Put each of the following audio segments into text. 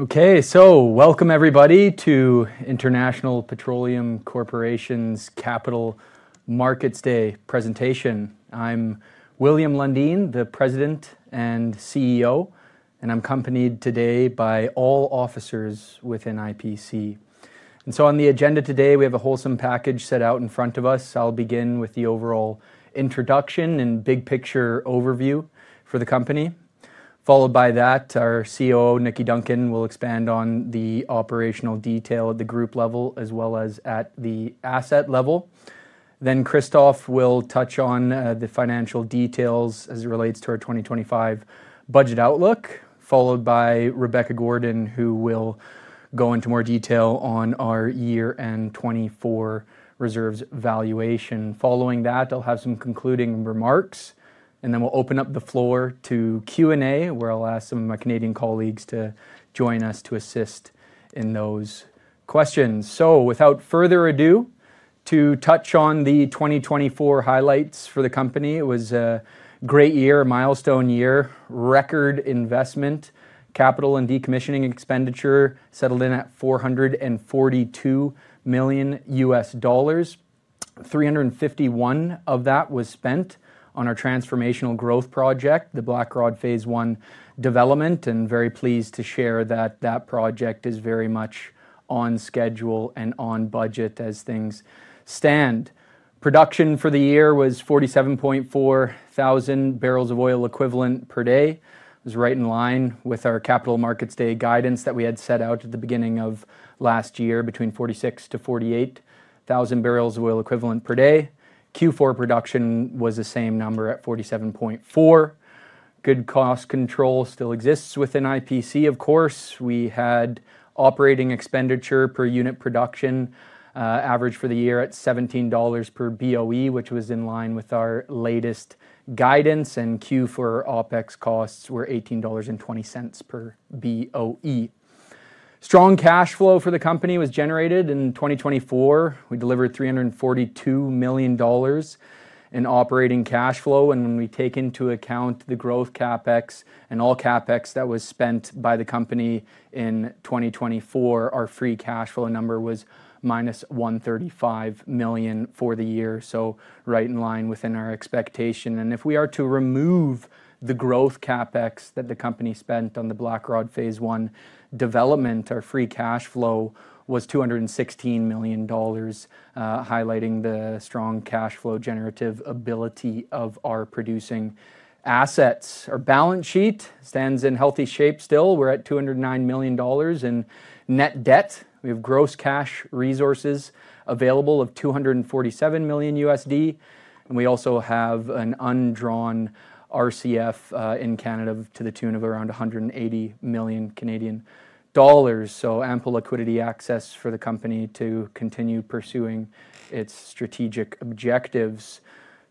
Okay, so welcome everybody to International Petroleum Corporation's Capital Markets Day presentation. I'm William Lundin, the President and CEO, and I'm accompanied today by all officers within IPC. And so on the agenda today, we have a wholesome package set out in front of us. I'll begin with the overall introduction and big picture overview for the company. Followed by that, our COO, Nicki Duncan, will expand on the operational detail at the group level, as well as at the asset level. Then Christophe will touch on the financial details as it relates to our 2025 budget outlook, followed by Rebecca Gordon, who will go into more detail on our year-end 2024 reserves valuation. Following that, I'll have some concluding remarks, and then we'll open up the floor to Q&A, where I'll ask some of my Canadian colleagues to join us to assist in those questions. Without further ado, to touch on the 2024 highlights for the company, it was a great year, a milestone year, record investment, capital and decommissioning expenditure settled in at $442 million. $351 million of that was spent on our transformational growth project, the Blackrod Phase 1 development, and very pleased to share that that project is very much on schedule and on budget as things stand. Production for the year was 47,400 barrels of oil equivalent per day. It was right in line with our Capital Markets Day guidance that we had set out at the beginning of last year, between 46,000 to 48,000 barrels of oil equivalent per day. Q4 production was the same number at 47.4. Good cost control still exists within IPC, of course. We had operating expenditure per unit production average for the year at $17 per BOE, which was in line with our latest guidance, and Q4 OpEx costs were $18.20 per BOE. Strong cash flow for the company was generated in 2024. We delivered $342 million in operating cash flow, and when we take into account the growth CapEx and all CapEx that was spent by the company in 2024, our free cash flow number was minus $135 million for the year, so right in line within our expectation, and if we are to remove the growth CapEx that the company spent on the Blackrod Phase 1 development, our free cash flow was $216 million, highlighting the strong cash flow generative ability of our producing assets. Our balance sheet stands in healthy shape still. We're at $209 million in net debt. We have gross cash resources available of $247 million, and we also have an undrawn RCF in Canada to the tune of around 180 million Canadian dollars, so ample liquidity access for the company to continue pursuing its strategic objectives.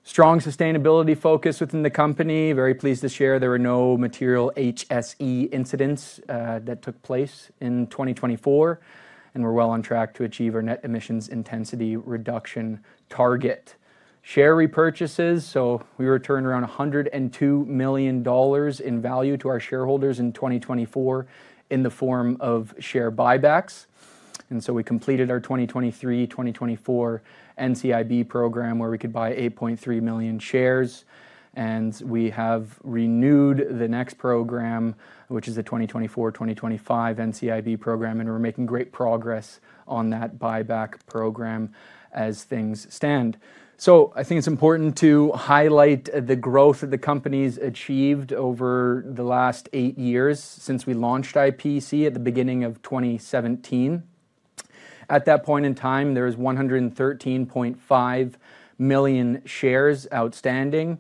Strong sustainability focus within the company. Very pleased to share there were no material HSE incidents that took place in 2024, and we're well on track to achieve our net emissions intensity reduction target. Share repurchases, so we returned around $102 million in value to our shareholders in 2024 in the form of share buybacks. And so we completed our 2023, 2024 NCIB program, where we could buy 8.3 million shares, and we have renewed the next program, which is the 2024, 2025 NCIB program, and we're making great progress on that buyback program as things stand. So I think it's important to highlight the growth that the company's achieved over the last eight years since we launched IPC at the beginning of 2017. At that point in time, there was 113.5 million shares outstanding,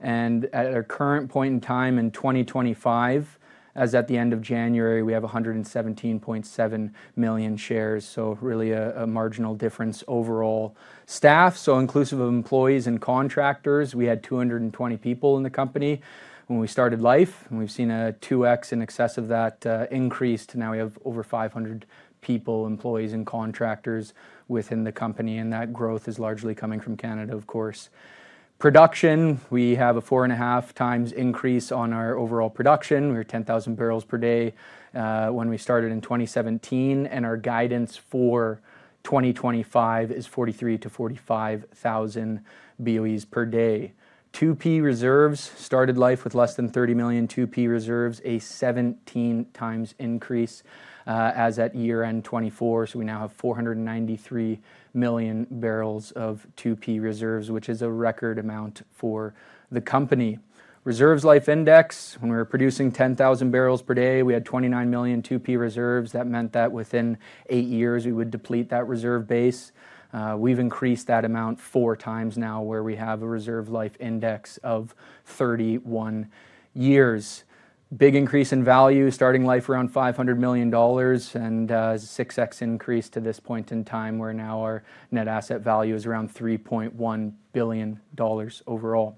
and at our current point in time in 2025, as at the end of January, we have 117.7 million shares, so really a marginal difference overall staff. So inclusive of employees and contractors, we had 220 people in the company when we started life, and we've seen a 2x in excess of that increase. Now we have over 500 people, employees and contractors within the company, and that growth is largely coming from Canada, of course. Production, we have a 4.5 times increase on our overall production. We were 10,000 barrels per day when we started in 2017, and our guidance for 2025 is 43,000 to 45,000 BOEs per day. 2P reserves started life with less than 30 million 2P Reserves, a 17 times increase as at year-end 2024, so we now have 493 million barrels of 2P Reserves, which is a record amount for the company. Reserves Life Index, when we were producing 10,000 barrels per day, we had 29 million 2P Reserves. That meant that within eight years, we would deplete that reserve base. We've increased that amount four times now, where we have a Reserve Life Index of 31 years. Big increase in value, starting life around $500 million and a 6x increase to this point in time, where now our Net Asset Value is around $3.1 billion overall.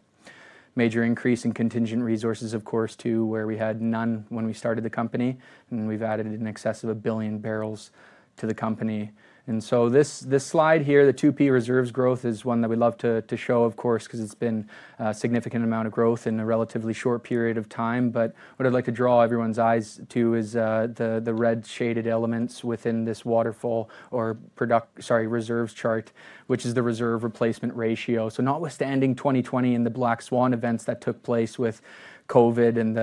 Major increase in Contingent Resources, of course, too, where we had none when we started the company, and we've added in excess of a billion barrels to the company. This slide here, the 2P reserves growth, is one that we'd love to show, of course, because it's been a significant amount of growth in a relatively short period of time. But what I'd like to draw everyone's eyes to is the red shaded elements within this waterfall or reserves chart, which is the reserve replacement ratio. So notwithstanding 2020 and the Black Swan events that took place with COVID and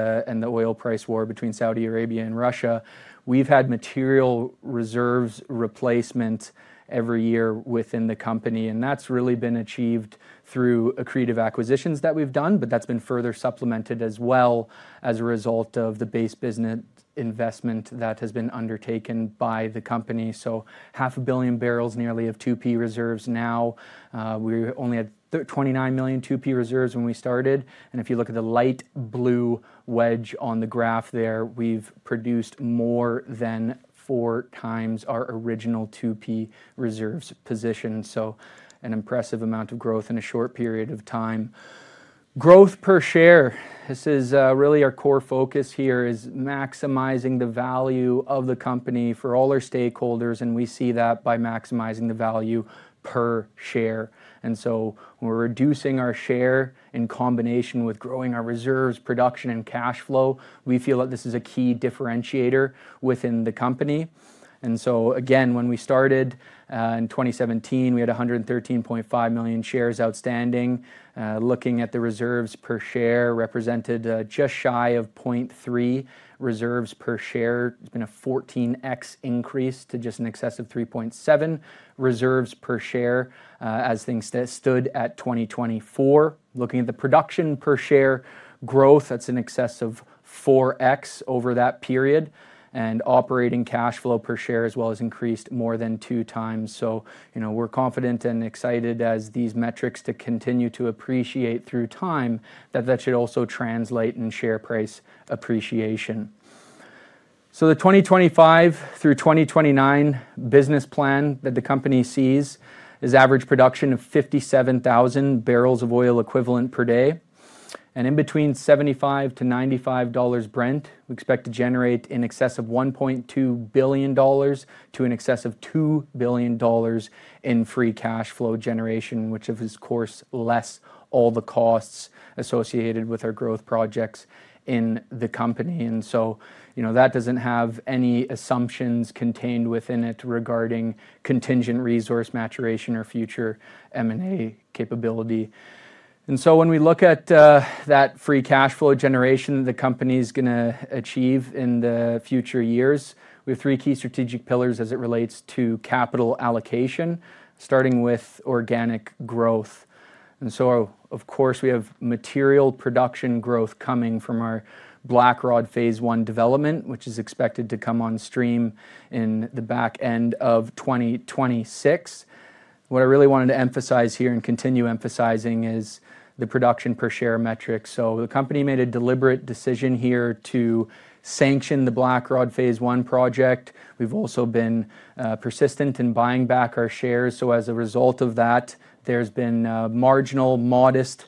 the oil price war between Saudi Arabia and Russia, we've had material reserves replacement every year within the company, and that's really been achieved through accretive acquisitions that we've done, but that's been further supplemented as well as a result of the base business investment that has been undertaken by the company. So 500 million barrels nearly of 2P reserves now. We only had 29 million 2P reserves when we started, and if you look at the light blue wedge on the graph there, we've produced more than four times our original 2P reserves position, so an impressive amount of growth in a short period of time. Growth per share, this is really our core focus here, is maximizing the value of the company for all our stakeholders, and we see that by maximizing the value per share, and so when we're reducing our share in combination with growing our reserves, production, and cash flow, we feel that this is a key differentiator within the company, and so again, when we started in 2017, we had 113.5 million shares outstanding. Looking at the reserves per share represented just shy of 0.3 reserves per share. It's been a 14x increase to just in excess of 3.7 reserves per share as things stood at 2024. Looking at the production per share growth, that's in excess of 4x over that period, and operating cash flow per share as well has increased more than two times. So we're confident and excited as these metrics continue to appreciate through time that that should also translate in share price appreciation. So the 2025 through 2029 business plan that the company sees is average production of 57,000 barrels of oil equivalent per day, and in between $75 to $95 Brent, we expect to generate in excess of $1.2 billion to in excess of $2 billion in free cash flow generation, which of course, less all the costs associated with our growth projects in the company. And so that doesn't have any assumptions contained within it regarding contingent resource maturation or future M&A capability. And so when we look at that free cash flow generation that the company's going to achieve in the future years, we have three key strategic pillars as it relates to capital allocation, starting with organic growth. And so of course, we have material production growth coming from our Blackrod Phase 1 development, which is expected to come on stream in the back end of 2026. What I really wanted to emphasize here and continue emphasizing is the production per share metrics. So the company made a deliberate decision here to sanction the Blackrod Phase 1 project. We've also been persistent in buying back our shares. So as a result of that, there's been a marginal modest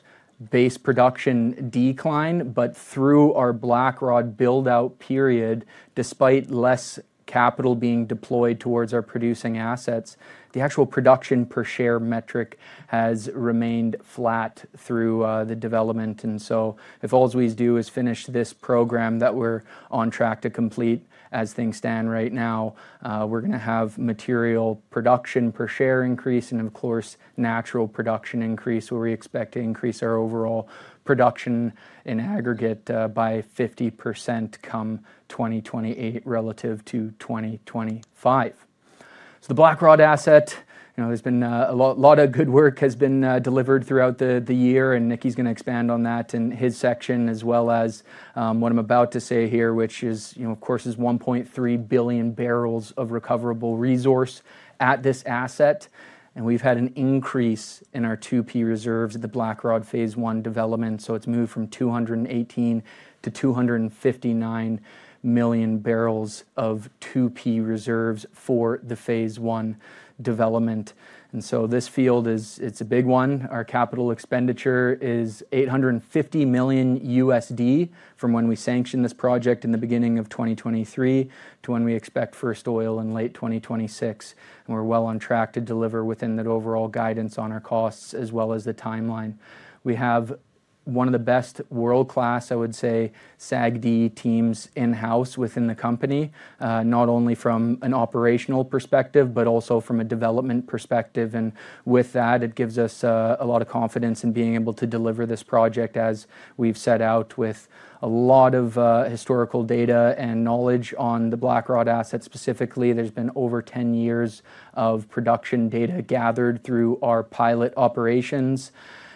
base production decline, but through our Blackrod buildout period, despite less capital being deployed towards our producing assets, the actual production per share metric has remained flat through the development. And so if all's we do is finish this program that we're on track to complete, as things stand right now, we're going to have material production per share increase and of course, natural production increase, where we expect to increase our overall production in aggregate by 50% come 2028 relative to 2025. So the Blackrod asset, there's been a lot of good work has been delivered throughout the year, and Nicki's going to expand on that in his section, as well as what I'm about to say here, which is, of course, is 1.3 billion barrels of recoverable resource at this asset. We've had an increase in our 2P reserves at the Blackrod Phase 1 development. It's moved from 218 to 259 million barrels of 2P reserves for the Phase 1 development. This field, it's a big one. Our capital expenditure is $850 million from when we sanctioned this project in the beginning of 2023 to when we expect first oil in late 2026. We're well on track to deliver within that overall guidance on our costs as well as the timeline. We have one of the best world-class, I would say, SAGD teams in-house within the company, not only from an operational perspective, but also from a development perspective. With that, it gives us a lot of confidence in being able to deliver this project as we've set out with a lot of historical data and knowledge on the Blackrod asset specifically. There's been over 10 years of production data gathered through our pilot operations,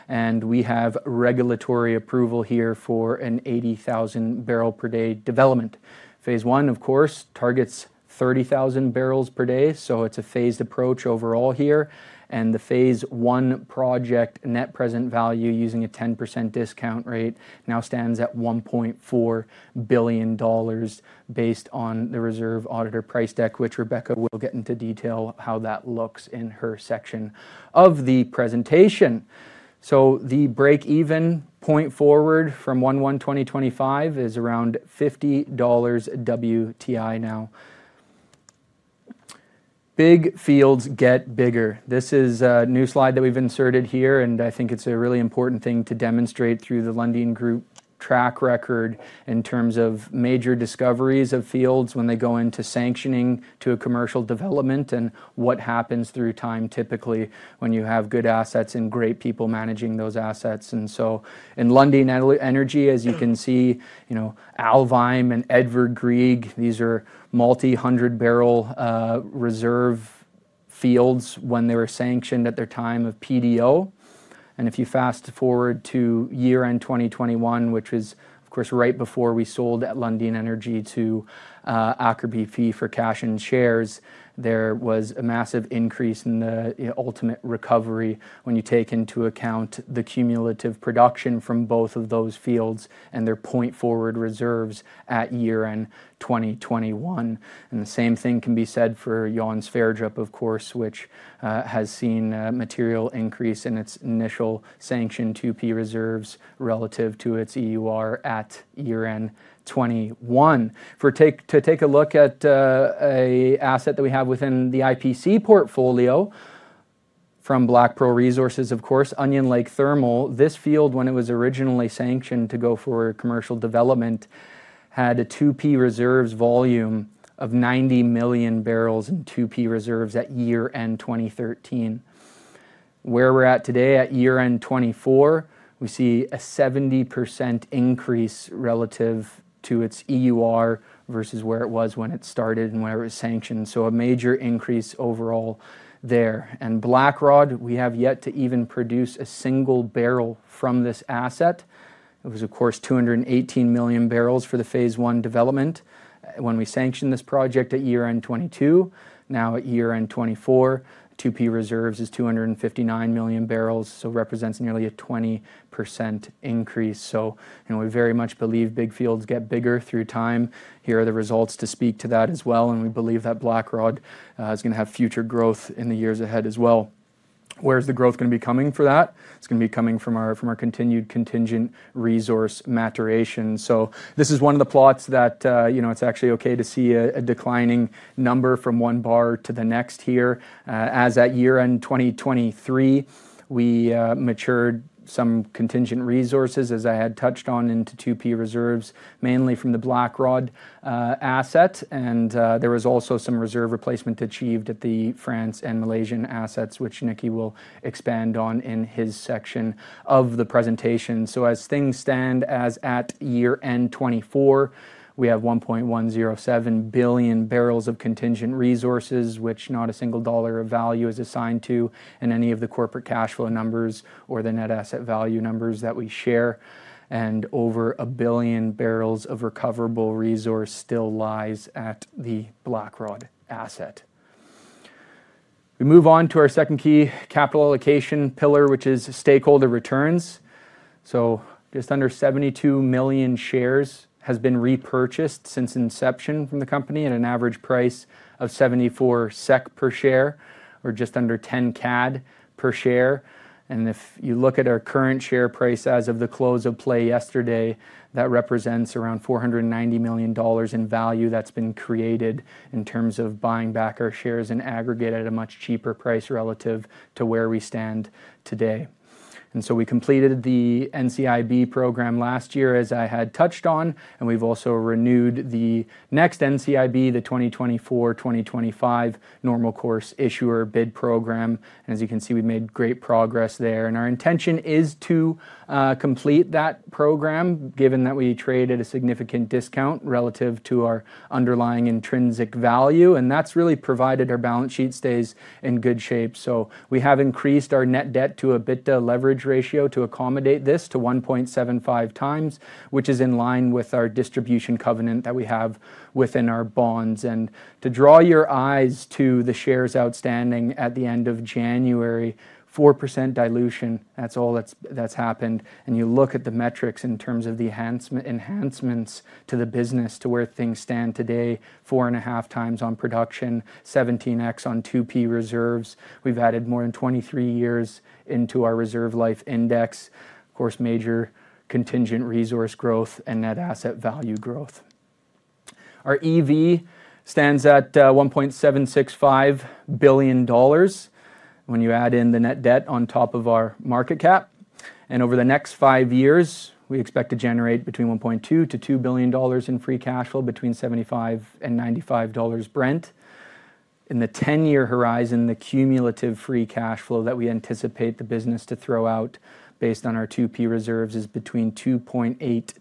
and we have regulatory approval here for an 80,000 barrels per day development. Phase 1, of course, targets 30,000 barrels per day, so it's a phased approach overall here. The Phase 1 project net present value using a 10% discount rate now stands at $1.4 billion based on the reserve auditor price deck, which Rebecca will get into detail how that looks in her section of the presentation. The break-even point forward from 1/1/2025 is around $50 WTI now. Big fields get bigger. This is a new slide that we've inserted here, and I think it's a really important thing to demonstrate through the Lundin Group track record in terms of major discoveries of fields when they go into sanctioning to a commercial development and what happens through time typically when you have good assets and great people managing those assets. In Lundin Energy, as you can see, Alvheim and Edvard Grieg, these are multi-hundred barrel reserve fields when they were sanctioned at their time of PDO. If you fast forward to year-end 2021, which was of course right before we sold Lundin Energy to Aker BP for cash and shares, there was a massive increase in the ultimate recovery when you take into account the cumulative production from both of those fields and their point forward reserves at year-end 2021. The same thing can be said for Johan Sverdrup, of course, which has seen a material increase in its initial sanctioned 2P reserves relative to its EUR at year-end 2021. Or, to take a look at an asset that we have within the IPC portfolio from Black Pearl Resources, of course, Onion Lake Thermal, this field when it was originally sanctioned to go for commercial development had a 2P reserves volume of 90 million barrels in 2P reserves at year-end 2013. Where we're at today at year-end 2024, we see a 70% increase relative to its EUR versus where it was when it started and where it was sanctioned. So a major increase overall there. Blackrod, we have yet to even produce a single barrel from this asset. It was of course 218 million barrels for the Phase 1 development when we sanctioned this project at year-end 2022. Now at year-end 2024, 2P reserves is 259 million barrels, so represents nearly a 20% increase. So we very much believe big fields get bigger through time. Here are the results to speak to that as well, and we believe that Blackrod is going to have future growth in the years ahead as well. Where's the growth going to be coming for that? It's going to be coming from our continued contingent resource maturation. So this is one of the plots that it's actually okay to see a declining number from one bar to the next here. As at year-end 2023, we matured some contingent resources, as I had touched on, into 2P reserves, mainly from the Blackrod asset. There was also some reserve replacement achieved at the France and Malaysian assets, which Nicki will expand on in his section of the presentation. So as things stand, as at year-end 2024, we have 1.107 billion barrels of contingent resources, which not a single dollar of value is assigned to in any of the corporate cash flow numbers or the net asset value numbers that we share. And over a billion barrels of recoverable resource still lies at the Blackrod asset. We move on to our second key capital allocation pillar, which is stakeholder returns. So just under 72 million shares has been repurchased since inception from the company at an average price of 74 SEK per share or just under 10 CAD per share. And if you look at our current share price as of the close of play yesterday, that represents around $490 million in value that's been created in terms of buying back our shares in aggregate at a much cheaper price relative to where we stand today. And so we completed the NCIB program last year, as I had touched on, and we've also renewed the next NCIB, the 2024-2025 normal course issuer bid program. And as you can see, we've made great progress there. And our intention is to complete that program given that we traded a significant discount relative to our underlying intrinsic value. And that's really provided our balance sheet stays in good shape. So we have increased our net debt to an EBITDA leverage ratio to accommodate this to 1.75 times, which is in line with our distribution covenant that we have within our bonds. To draw your eyes to the shares outstanding at the end of January, 4% dilution, that's all that's happened. You look at the metrics in terms of the enhancements to the business to where things stand today, four and a half times on production, 17X on 2P reserves. We've added more than 23 years into our reserve life index. Of course, major contingent resource growth and net asset value growth. Our EV stands at $1.765 billion when you add in the net debt on top of our market cap. Over the next five years, we expect to generate between $1.2 to 2 billion in free cash flow between $75 and $95 Brent. In the 10-year horizon, the cumulative free cash flow that we anticipate the business to throw off based on our 2P reserves is between $2.8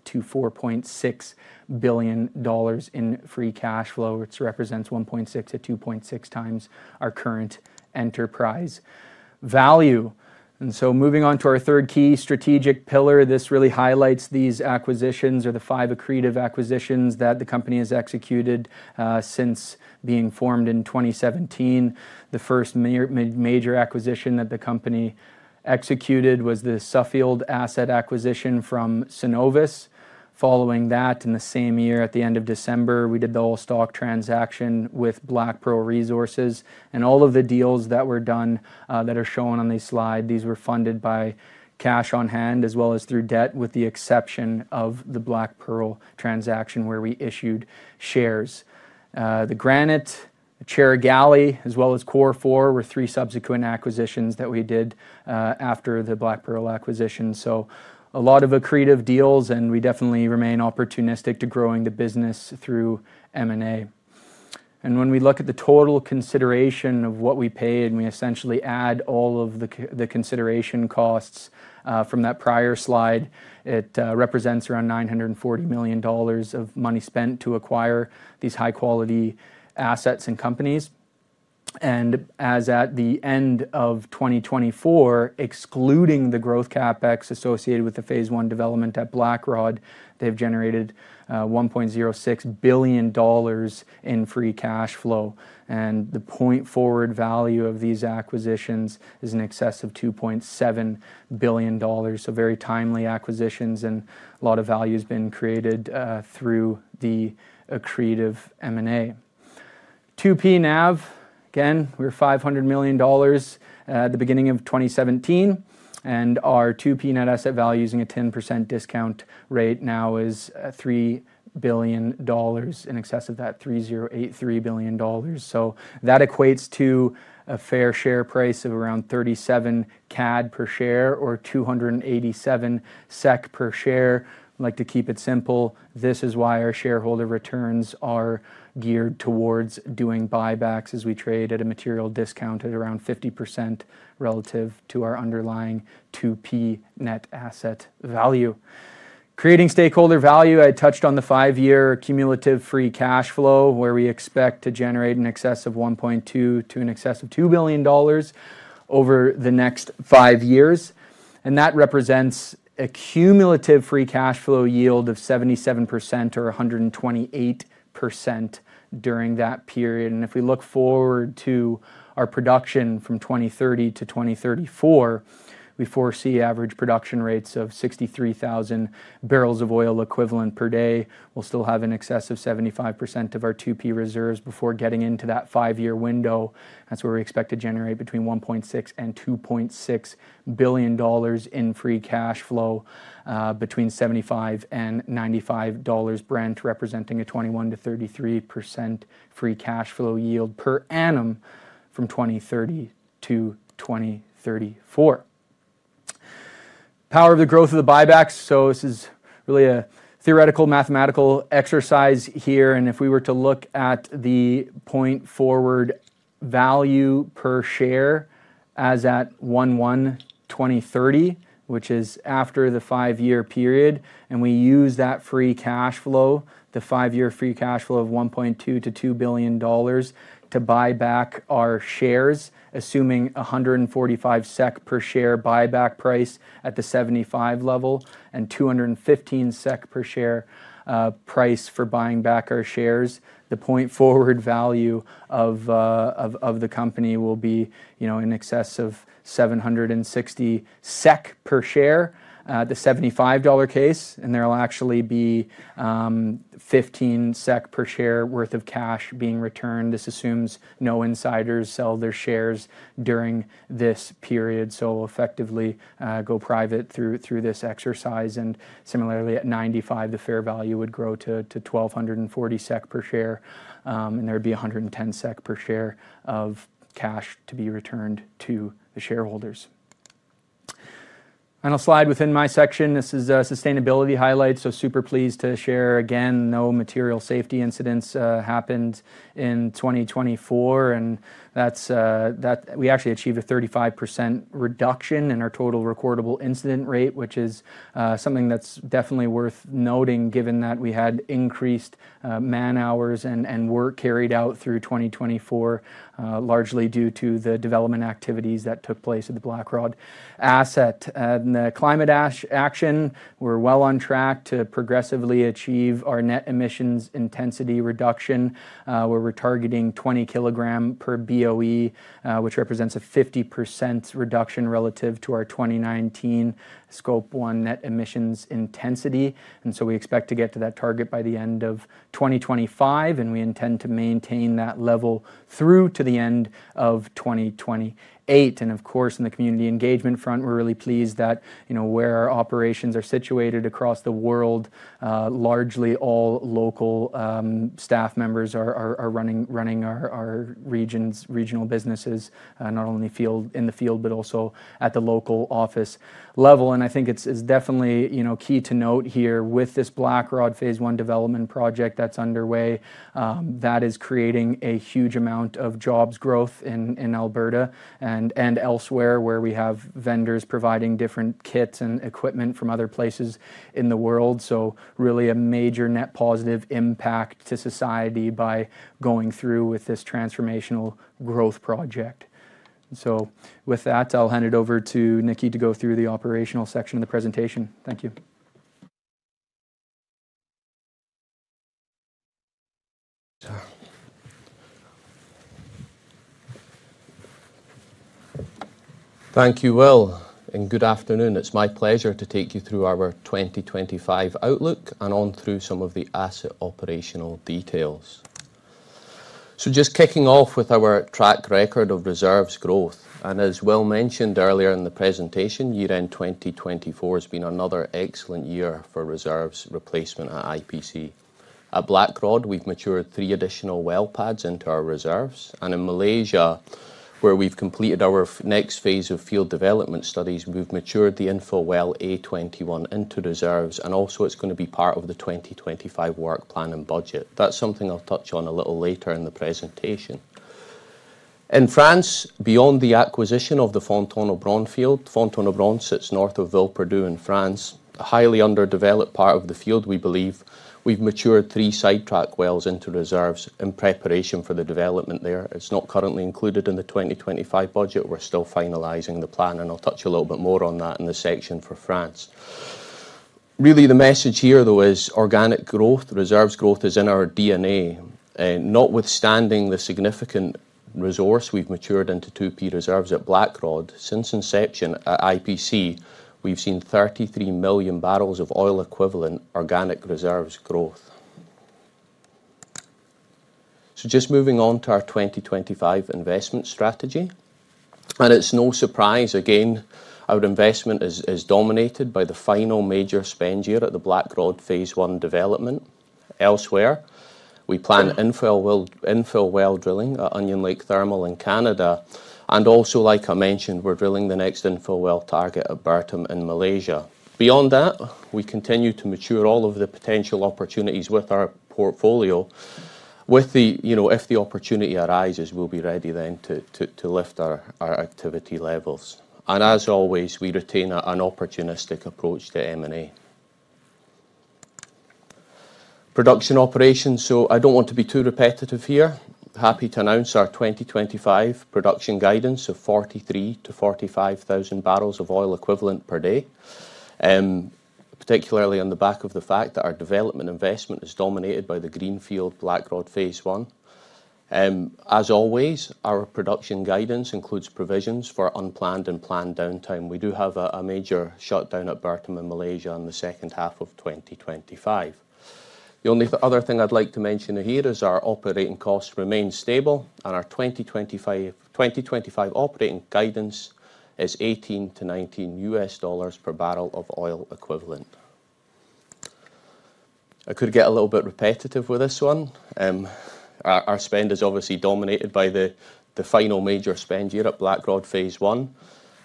to 4.6 billion in free cash flow, which represents 1.6 to 2.6 times our current enterprise value. So moving on to our third key strategic pillar, this really highlights these acquisitions or the five accretive acquisitions that the company has executed since being formed in 2017. The first major acquisition that the company executed was the Suffield asset acquisition from Cenovus. Following that, in the same year, at the end of December, we did the all-stock transaction with Black Pearl Resources. All of the deals that were done that are shown on the slide, these were funded by cash on hand as well as through debt, with the exception of the Black Pearl transaction where we issued shares. The Granite, [Cherry Valley], as well as Cor4 were three subsequent acquisitions that we did after the Black Pearl acquisition. So a lot of accretive deals, and we definitely remain opportunistic to growing the business through M&A. And when we look at the total consideration of what we paid and we essentially add all of the consideration costs from that prior slide, it represents around $940 million of money spent to acquire these high-quality assets and companies. And as at the end of 2024, excluding the growth CapEx associated with the Phase 1 development at Blackrod, they've generated $1.06 billion in free cash flow. And the point forward value of these acquisitions is in excess of $2.7 billion. So very timely acquisitions and a lot of value has been created through the accretive M&A. 2P NAV, again, we were $500 million at the beginning of 2017. Our 2P net asset value using a 10% discount rate now is $3 billion in excess of that $3.083 billion. That equates to a fair share price of around 37 CAD per share or 287 SEK per share. I'd like to keep it simple. This is why our shareholder returns are geared towards doing buybacks as we trade at a material discount at around 50% relative to our underlying 2P net asset value. Creating stakeholder value, I touched on the five-year cumulative free cash flow where we expect to generate in excess of $1.2 to an excess of $2 billion over the next five years. That represents a cumulative free cash flow yield of 77% or 128% during that period. If we look forward to our production from 2030 to 2034, we foresee average production rates of 63,000 barrels of oil equivalent per day. We'll still have an excess of 75% of our 2P reserves before getting into that five-year window. That's where we expect to generate between $1.6 and $2.6 billion in free cash flow between $75 to $95 Brent, representing a 21% to 33% free cash flow yield per annum from 2030 to 2034. Power of the growth of the buybacks, so this is really a theoretical mathematical exercise here. And if we were to look at the point forward value per share as at 1/1/2030, which is after the five-year period, and we use that free cash flow, the five-year free cash flow of $1.2 to 2 billion to buy back our shares, assuming 145 SEK per share buyback price at the $75 level and 215 SEK per share price for buying back our shares, the point forward value of the company will be in excess of 760 SEK per share at the $75 case. And there will actually be 15 SEK per share worth of cash being returned. This assumes no insiders sell their shares during this period. So we'll effectively go private through this exercise. And similarly, at $95, the fair value would grow to 1,240 SEK per share. And there would be 110 SEK per share of cash to be returned to the shareholders. Final slide within my section. This is sustainability highlights, so super pleased to share again, no material safety incidents happened in 2024, and we actually achieved a 35% reduction in our total recordable incident rate, which is something that's definitely worth noting given that we had increased man hours and work carried out through 2024, largely due to the development activities that took place at the Blackrod asset, and the climate action, we're well on track to progressively achieve our net emissions intensity reduction. We're targeting 20 kilograms per BOE, which represents a 50% reduction relative to our 2019 Scope 1 net emissions intensity, and so we expect to get to that target by the end of 2025, and we intend to maintain that level through to the end of 2028. Of course, in the community engagement front, we're really pleased that where our operations are situated across the world, largely all local staff members are running our region's regional businesses, not only in the field, but also at the local office level. I think it's definitely key to note here with this Blackrod Phase 1 development project that's underway, that is creating a huge amount of jobs growth in Alberta and elsewhere where we have vendors providing different kits and equipment from other places in the world. Really a major net positive impact to society by going through with this transformational growth project. With that, I'll hand it over to Nicki to go through the operational section of the presentation. Thank you. Thank you. Well, and good afternoon. It's my pleasure to take you through our 2025 outlook and on through some of the asset operational details. So just kicking off with our track record of reserves growth. And as Will mentioned earlier in the presentation, year-end 2024 has been another excellent year for reserves replacement at IPC. At Blackrod, we've matured three additional well pads into our reserves. And in Malaysia, where we've completed our next phase of field development studies, we've matured the infill well A21 into reserves. And also, it's going to be part of the 2025 work plan and budget. That's something I'll touch on a little later in the presentation. In France, beyond the acquisition of the Fontaine-au-Bron field, Fontaine-au-Bron sits north of Villeperdue in France, a highly underdeveloped part of the field. We believe we've matured three sidetrack wells into reserves in preparation for the development there. It's not currently included in the 2025 budget. We're still finalizing the plan. And I'll touch a little bit more on that in the section for France. Really, the message here, though, is organic growth. Reserves growth is in our DNA. Notwithstanding the significant resource we've matured into 2P reserves at Blackrod, since inception at IPC, we've seen 33 million barrels of oil equivalent organic reserves growth. So just moving on to our 2025 investment strategy. And it's no surprise, again, our investment is dominated by the final major spend year at the Blackrod Phase 1 development. Elsewhere, we plan infill well drilling at Onion Lake Thermal in Canada. And also, like I mentioned, we're drilling the next infill well target at Bertam in Malaysia. Beyond that, we continue to mature all of the potential opportunities with our portfolio. If the opportunity arises, we'll be ready then to lift our activity levels, and as always, we retain an opportunistic approach to M&A. Production operations, so I don't want to be too repetitive here. Happy to announce our 2025 production guidance of 43,000 to 45,000 barrels of oil equivalent per day, particularly on the back of the fact that our development investment is dominated by the greenfield Blackrod Phase 1. As always, our production guidance includes provisions for unplanned and planned downtime. We do have a major shutdown at Bertam in Malaysia in the second half of 2025. The only other thing I'd like to mention here is our operating costs remain stable, and our 2025 operating guidance is $18 to $19 per barrel of oil equivalent. I could get a little bit repetitive with this one. Our spend is obviously dominated by the final major spend year at Blackrod Phase 1.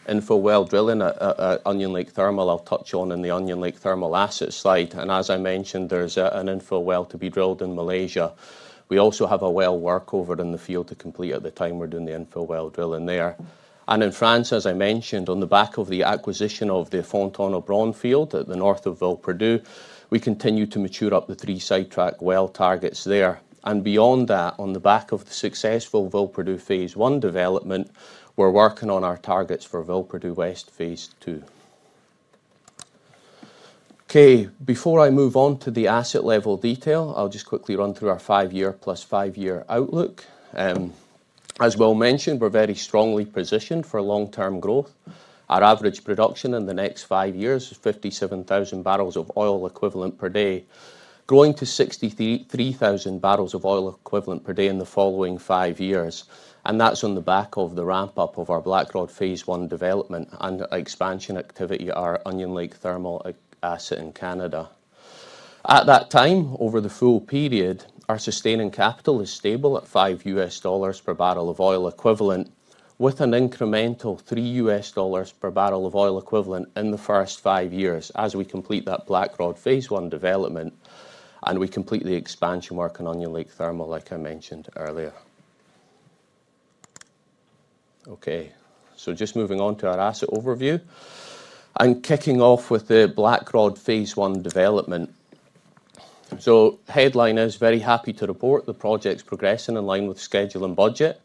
Infill well drilling at Onion Lake Thermal, I'll touch on in the Onion Lake Thermal asset slide. And as I mentioned, there's an infill well to be drilled in Malaysia. We also have a well workover in the field to complete at the time we're doing the infill well drilling there. And in France, as I mentioned, on the back of the acquisition of the Fontaine-au-Bron field at the north of Villeperdue, we continue to mature up the three sidetrack well targets there. And beyond that, on the back of the successful Villeperdue Phase 1 development, we're working on our targets for Villeperdue West Phase 2. Okay, before I move on to the asset level detail, I'll just quickly run through our five-year plus five-year outlook. As Will mentioned, we're very strongly positioned for long-term growth. Our average production in the next five years is 57,000 barrels of oil equivalent per day, growing to 63,000 barrels of oil equivalent per day in the following five years, and that's on the back of the ramp-up of our Blackrod Phase 1 development and expansion activity at our Onion Lake Thermal asset in Canada. At that time, over the full period, our sustaining capital is stable at $5 per barrel of oil equivalent, with an incremental $3 per barrel of oil equivalent in the first five years as we complete that Blackrod Phase 1 development and we complete the expansion work in Onion Lake Thermal, like I mentioned earlier. Okay, so just moving on to our asset overview, and kicking off with the Blackrod Phase 1 development. the headline is very happy to report the project's progression in line with schedule and budget.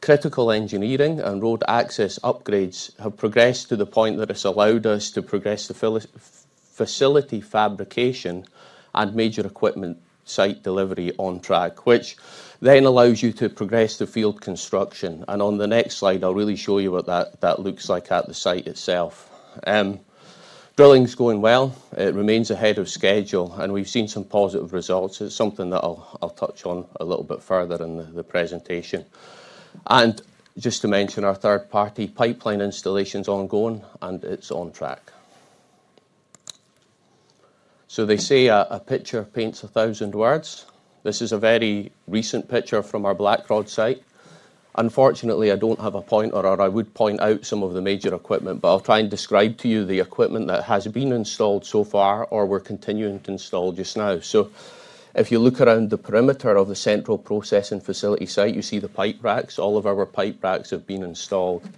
Critical engineering and road access upgrades have progressed to the point that it's allowed us to progress the facility fabrication and major equipment site delivery on track, which then allows you to progress the field construction. And on the next slide, I'll really show you what that looks like at the site itself. Drilling's going well. It remains ahead of schedule. And we've seen some positive results. It's something that I'll touch on a little bit further in the presentation. And just to mention, our third-party pipeline installation's ongoing and it's on track. So they say a picture paints a thousand words. This is a very recent picture from our Blackrod site. Unfortunately, I don't have a point or I would point out some of the major equipment, but I'll try and describe to you the equipment that has been installed so far or we're continuing to install just now. So if you look around the perimeter of the central processing facility site, you see the pipe racks. All of our pipe racks have been installed.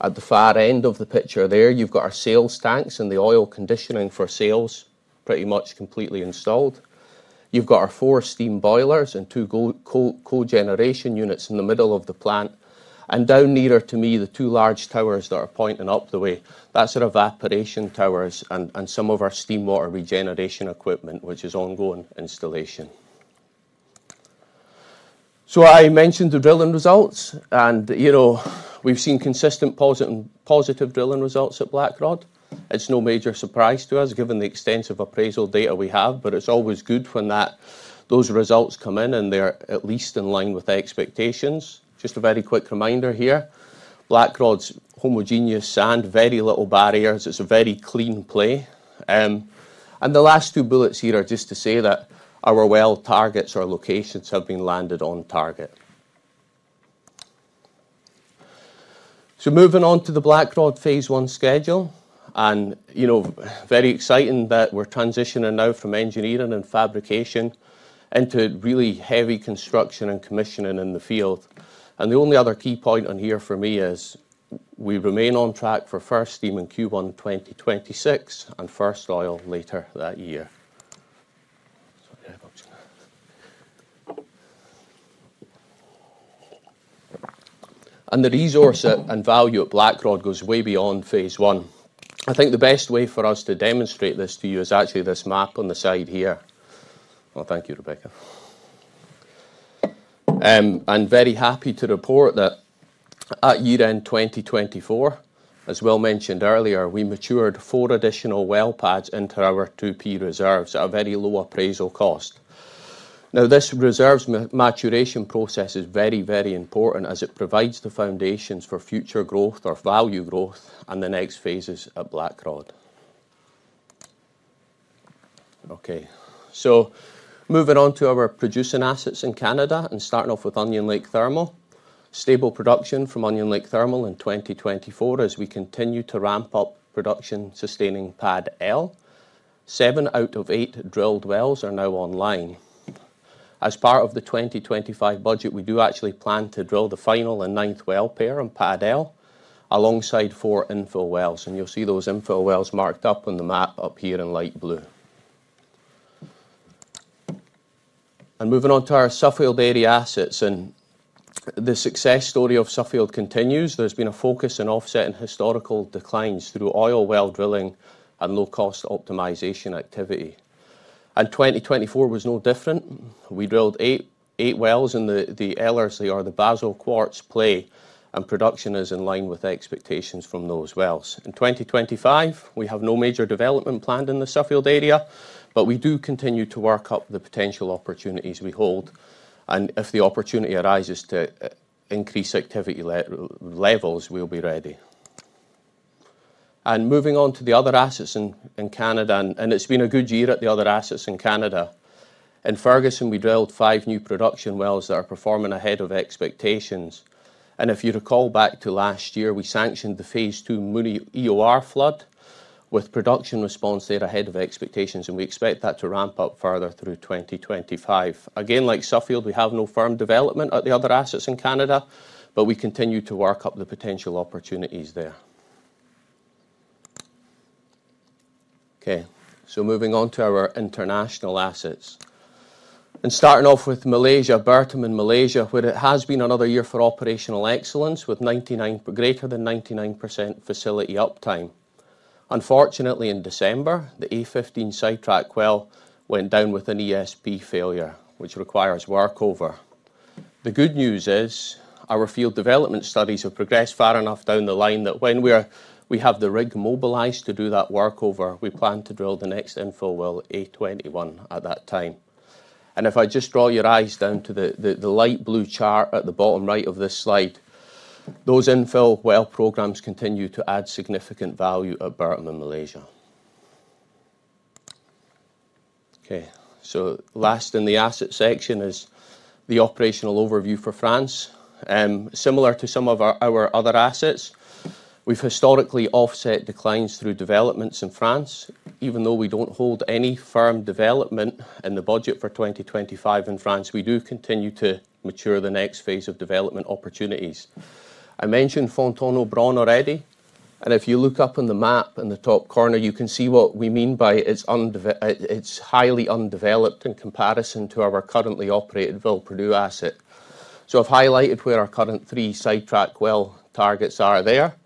At the far end of the picture there, you've got our sales tanks and the oil conditioning for sales pretty much completely installed. You've got our four steam boilers and two cogeneration units in the middle of the plant. And down nearer to me, the two large towers that are pointing up the way. That's our evaporation towers and some of our steam water regeneration equipment, which is ongoing installation. So I mentioned the drilling results. And we've seen consistent positive drilling results at Blackrod. It's no major surprise to us given the extensive appraisal data we have, but it's always good when those results come in and they're at least in line with expectations. Just a very quick reminder here. Blackrod's homogeneous sand, very little barriers. It's a very clean play. And the last two bullets here are just to say that our well targets or locations have been landed on target. So moving on to the Blackrod Phase 1 schedule. And very exciting that we're transitioning now from engineering and fabrication into really heavy construction and commissioning in the field. And the only other key point on here for me is we remain on track for first steam in Q1 2026 and first oil later that year. And the resource and value at Blackrod goes way beyond Phase 1. I think the best way for us to demonstrate this to you is actually this map on the side here. Well, thank you, Rebecca. And very happy to report that at year-end 2024, as Will mentioned earlier, we matured four additional well pads into our 2P reserves at a very low appraisal cost. Now, this reserves maturation process is very, very important as it provides the foundations for future growth or value growth and the next phases at Blackrod. Okay, so moving on to our producing assets in Canada and starting off with Onion Lake Thermal. Stable production from Onion Lake Thermal in 2024 as we continue to ramp up production sustaining pad L. Seven out of eight drilled wells are now online. As part of the 2025 budget, we do actually plan to drill the final and ninth well pair on pad L alongside four infill wells. And you'll see those infill wells marked up on the map up here in light blue. And moving on to our Suffield area assets. And the success story of Suffield continues. There's been a focus on offsetting historical declines through oil well drilling and low-cost optimization activity. And 2024 was no different. We drilled eight wells in the [LS] or the Basal Quartz play. And production is in line with expectations from those wells. In 2025, we have no major development planned in the Suffield area, but we do continue to work up the potential opportunities we hold. And if the opportunity arises to increase activity levels, we'll be ready. And moving on to the other assets in Canada. And it's been a good year at the other assets in Canada. In Ferguson, we drilled five new production wells that are performing ahead of expectations. If you recall back to last year, we sanctioned the Phase 2 Mooney EOR flood with production response there ahead of expectations. We expect that to ramp up further through 2025. Again, like Suffield, we have no firm development at the other assets in Canada, but we continue to work up the potential opportunities there. Okay, so moving on to our international assets. Starting off with Malaysia, Bertam in Malaysia, where it has been another year for operational excellence with greater than 99% facility uptime. Unfortunately, in December, the A15 sidetrack well went down with an ESP failure, which requires workover. The good news is our field development studies have progressed far enough down the line that when we have the rig mobilized to do that workover, we plan to drill the next infill well A21 at that time. If I just draw your eyes down to the light blue chart at the bottom right of this slide, those infill well programs continue to add significant value at Bertam in Malaysia. Okay, so last in the asset section is the operational overview for France. Similar to some of our other assets, we've historically offset declines through developments in France. Even though we don't hold any firm development in the budget for 2025 in France, we do continue to mature the next phase of development opportunities. I mentioned Fontaine-au-Bron already. If you look up on the map in the top corner, you can see what we mean by it's highly undeveloped in comparison to our currently operated Villeperdue asset. I've highlighted where our current three sidetrack well targets are there.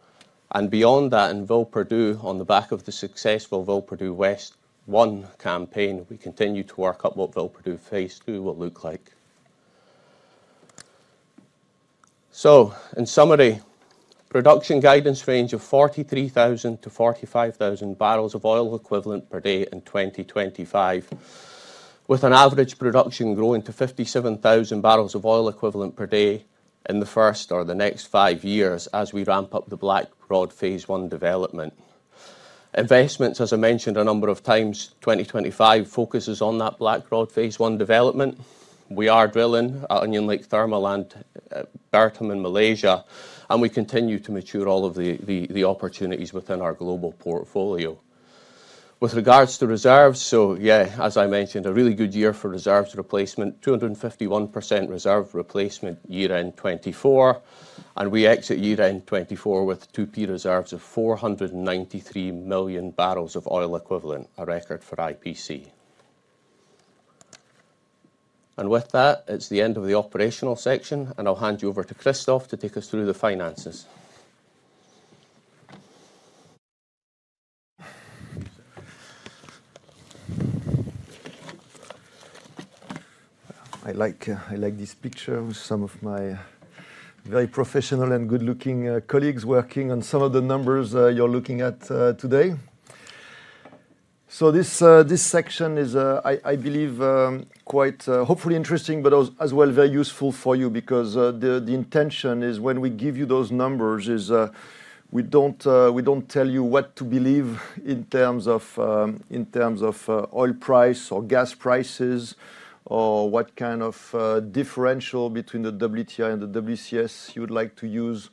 Beyond that, in Villeperdue, on the back of the successful Villeperdue West One campaign, we continue to work up what Villeperdue Phase 2 will look like. In summary, production guidance range of 43,000 to 45,000 barrels of oil equivalent per day in 2025, with an average production growing to 57,000 barrels of oil equivalent per day in the first or the next five years as we ramp up the Blackrod Phase 1 development. Investments, as I mentioned a number of times, 2025 focuses on that Blackrod Phase 1 development. We are drilling at Onion Lake Thermal and Bertam in Malaysia, and we continue to mature all of the opportunities within our global portfolio. With regards to reserves, so yeah, as I mentioned, a really good year for reserves replacement, 251% reserve replacement year-end 2024, and we exit year-end 2024 with 2P reserves of 493 million barrels of oil equivalent, a record for IPC. And with that, it is the end of the operational section, and I will hand you over to Christophe to take us through the finances. I like this picture with some of my very professional and good-looking colleagues working on some of the numbers you are looking at today. So this section is, I believe, quite hopefully interesting, but as well very useful for you because the intention is when we give you those numbers, we do not tell you what to believe in terms of oil price or gas prices or what kind of differential between the WTI and the WCS you would like to use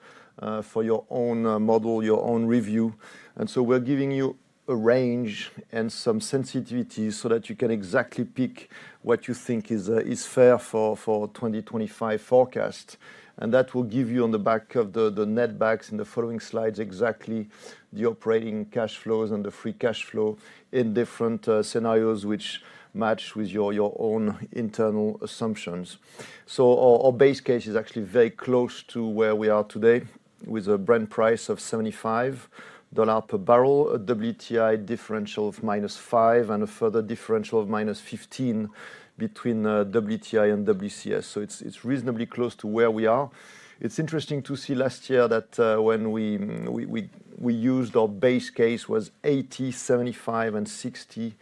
for your own model, your own review. And so we're giving you a range and some sensitivity so that you can exactly pick what you think is fair for 2025 forecast. And that will give you on the back of the net backs in the following slides exactly the operating cash flows and the free cash flow in different scenarios which match with your own internal assumptions. So our base case is actually very close to where we are today with a Brent price of $75 per barrel, a WTI differential of minus five and a further differential of minus 15 between WTI and WCS. So it's reasonably close to where we are. It's interesting to see last year that when we used our base case was 80, 75, and 60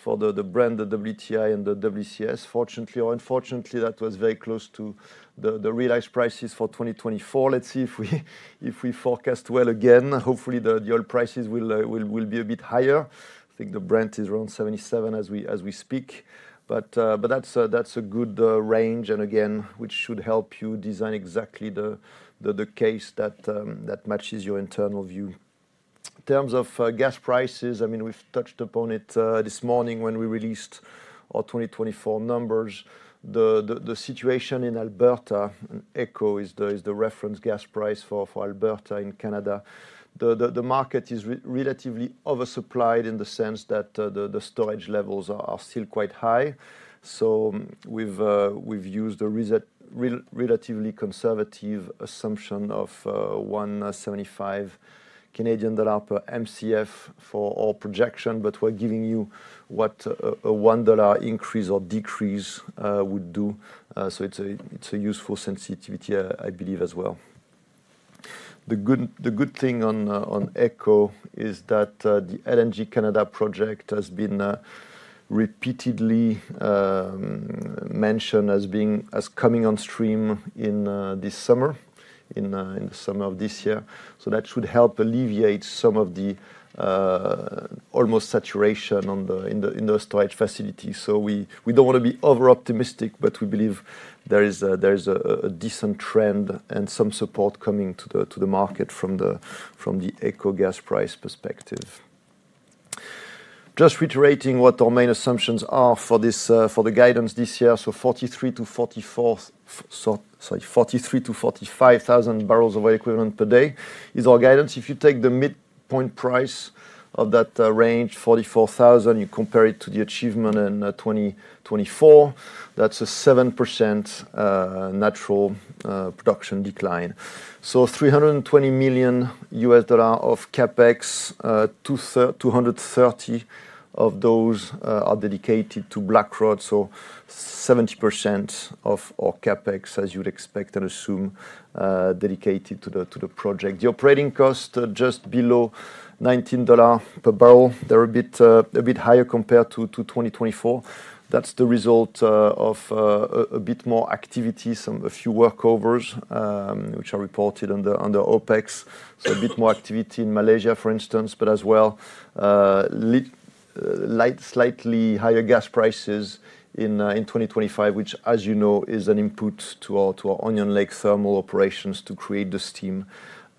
for the Brent, the WTI and the WCS. Fortunately or unfortunately, that was very close to the realized prices for 2024. Let's see if we forecast well again. Hopefully, the oil prices will be a bit higher. I think the Brent is around $77 as we speak. But that's a good range, and again, which should help you design exactly the case that matches your internal view. In terms of gas prices, I mean, we've touched upon it this morning when we released our 2024 numbers. The situation in Alberta, AECO is the reference gas price for Alberta in Canada. The market is relatively oversupplied in the sense that the storage levels are still quite high. So we've used a relatively conservative assumption of 1.75 Canadian dollar per MCF for our projection, but we're giving you what a 1 dollar increase or decrease would do. So it's a useful sensitivity, I believe, as well. The good thing on AECO is that the LNG Canada project has been repeatedly mentioned as coming on stream in this summer, in the summer of this year. So that should help alleviate some of the almost saturation in the storage facility. So we don't want to be over-optimistic, but we believe there is a decent trend and some support coming to the market from the AECO gas price perspective. Just reiterating what our main assumptions are for the guidance this year. So 43,000 to 44,000, sorry, 43,000 to 45,000 barrels of oil equivalent per day is our guidance. If you take the midpoint price of that range, 44,000, you compare it to the achievement in 2024, that's a 7% natural production decline. So $320 million of CapEx, $230 million of those are dedicated to Blackrod. So 70% of our CapEx, as you'd expect and assume, dedicated to the project. The operating costs are just below $19 per barrel. They're a bit higher compared to 2024. That's the result of a bit more activity, a few workovers, which are reported under OpEx. So a bit more activity in Malaysia, for instance, but as well, slightly higher gas prices in 2025, which, as you know, is an input to our Onion Lake Thermal operations to create the steam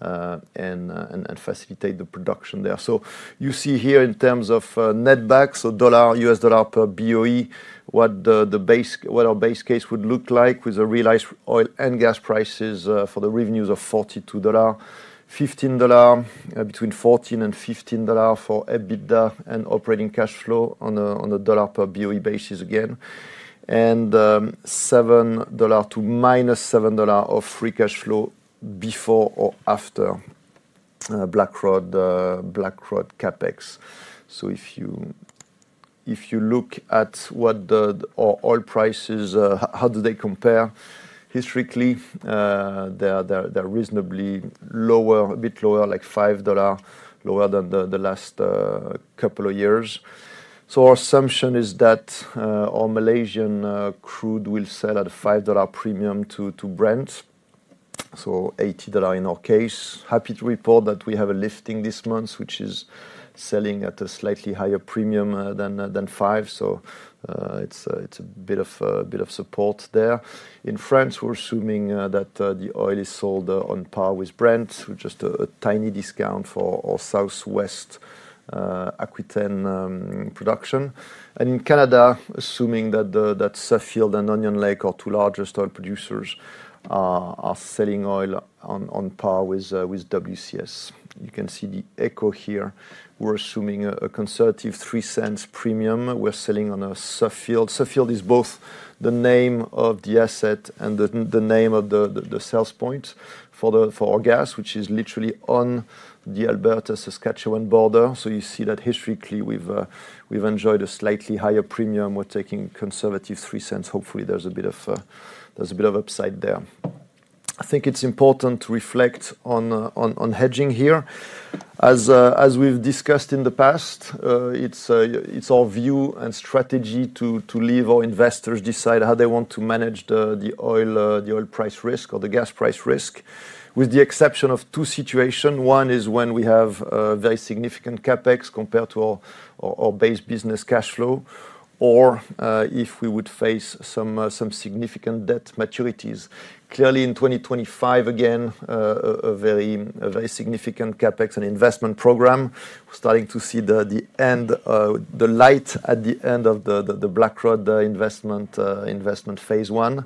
and facilitate the production there. So you see here in terms of net backs, so US dollar per BOE, what our base case would look like with the realized oil and gas prices for the revenues of $42, $15, between $14 and $15 for EBITDA and operating cash flow on a $ per BOE basis again, and $7 to minus $7 of free cash flow before or after Blackrod CapEx. So if you look at what our oil prices, how do they compare? Historically, they're reasonably lower, a bit lower, like $5 lower than the last couple of years. So our assumption is that our Malaysian crude will sell at a $5 premium to Brent. So $80 in our case. Happy to report that we have a lifting this month, which is selling at a slightly higher premium than $5. So it's a bit of support there. In France, we're assuming that the oil is sold on par with Brent, with just a tiny discount for our Southwest Aquitaine production. In Canada, assuming that Suffield and Onion Lake are two largest oil producers, are selling oil on par with WCS. You can see the AECO here. We're assuming a conservative three cents premium. We're selling on a Suffield. Suffield is both the name of the asset and the name of the sales point for our gas, which is literally on the Alberta-Saskatchewan border. You see that historically we've enjoyed a slightly higher premium. We're taking conservative three cents. Hopefully, there's a bit of upside there. I think it's important to reflect on hedging here. As we've discussed in the past, it's our view and strategy to leave our investors decide how they want to manage the oil price risk or the gas price risk, with the exception of two situations. One is when we have very significant CapEx compared to our base business cash flow, or if we would face some significant debt maturities. Clearly, in 2025, again, a very significant CapEx and investment program. We're starting to see the light at the end of the Blackrod investment Phase 1.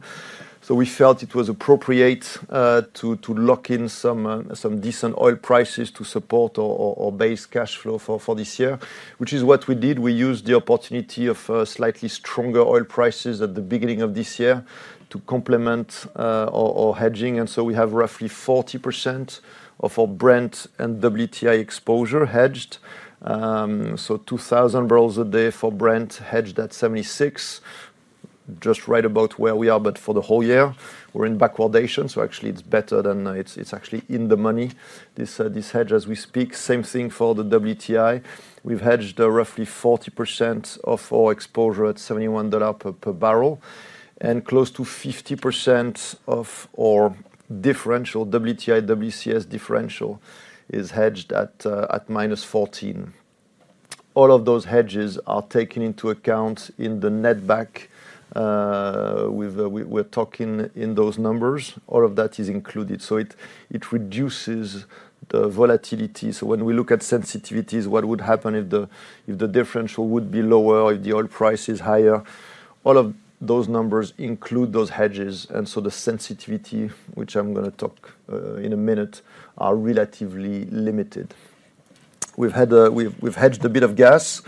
So we felt it was appropriate to lock in some decent oil prices to support our base cash flow for this year, which is what we did. We used the opportunity of slightly stronger oil prices at the beginning of this year to complement our hedging, and so we have roughly 40% of our Brent and WTI exposure hedged. 2,000 barrels a day for Brent hedged at $76, just right about where we are, but for the whole year, we're in backwardation. So actually, it's better than it's actually in the money, this hedge as we speak. Same thing for the WTI. We've hedged roughly 40% of our exposure at $71 per barrel, and close to 50% of our differential, WTI-WCS differential, is hedged at minus 14. All of those hedges are taken into account in the net back we're talking in those numbers. All of that is included. So it reduces the volatility. So when we look at sensitivities, what would happen if the differential would be lower, if the oil price is higher? All of those numbers include those hedges. And so the sensitivity, which I'm going to talk in a minute, are relatively limited. We've hedged a bit of gas.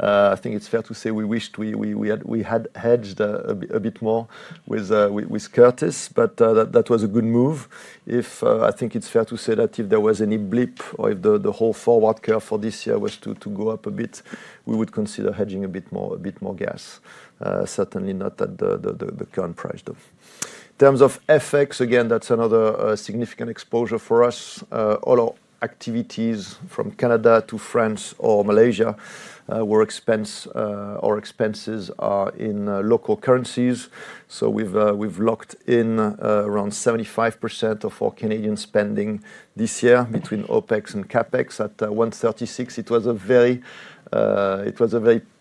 I think it's fair to say we wished we had hedged a bit more with Curtis, but that was a good move. I think it's fair to say that if there was any blip or if the whole forward curve for this year was to go up a bit, we would consider hedging a bit more gas. Certainly not at the current price, though. In terms of FX, again, that's another significant exposure for us. All our activities from Canada to France or Malaysia, our expenses are in local currencies. So we've locked in around 75% of our Canadian spending this year between OpEx and CapEx at 136. It was a very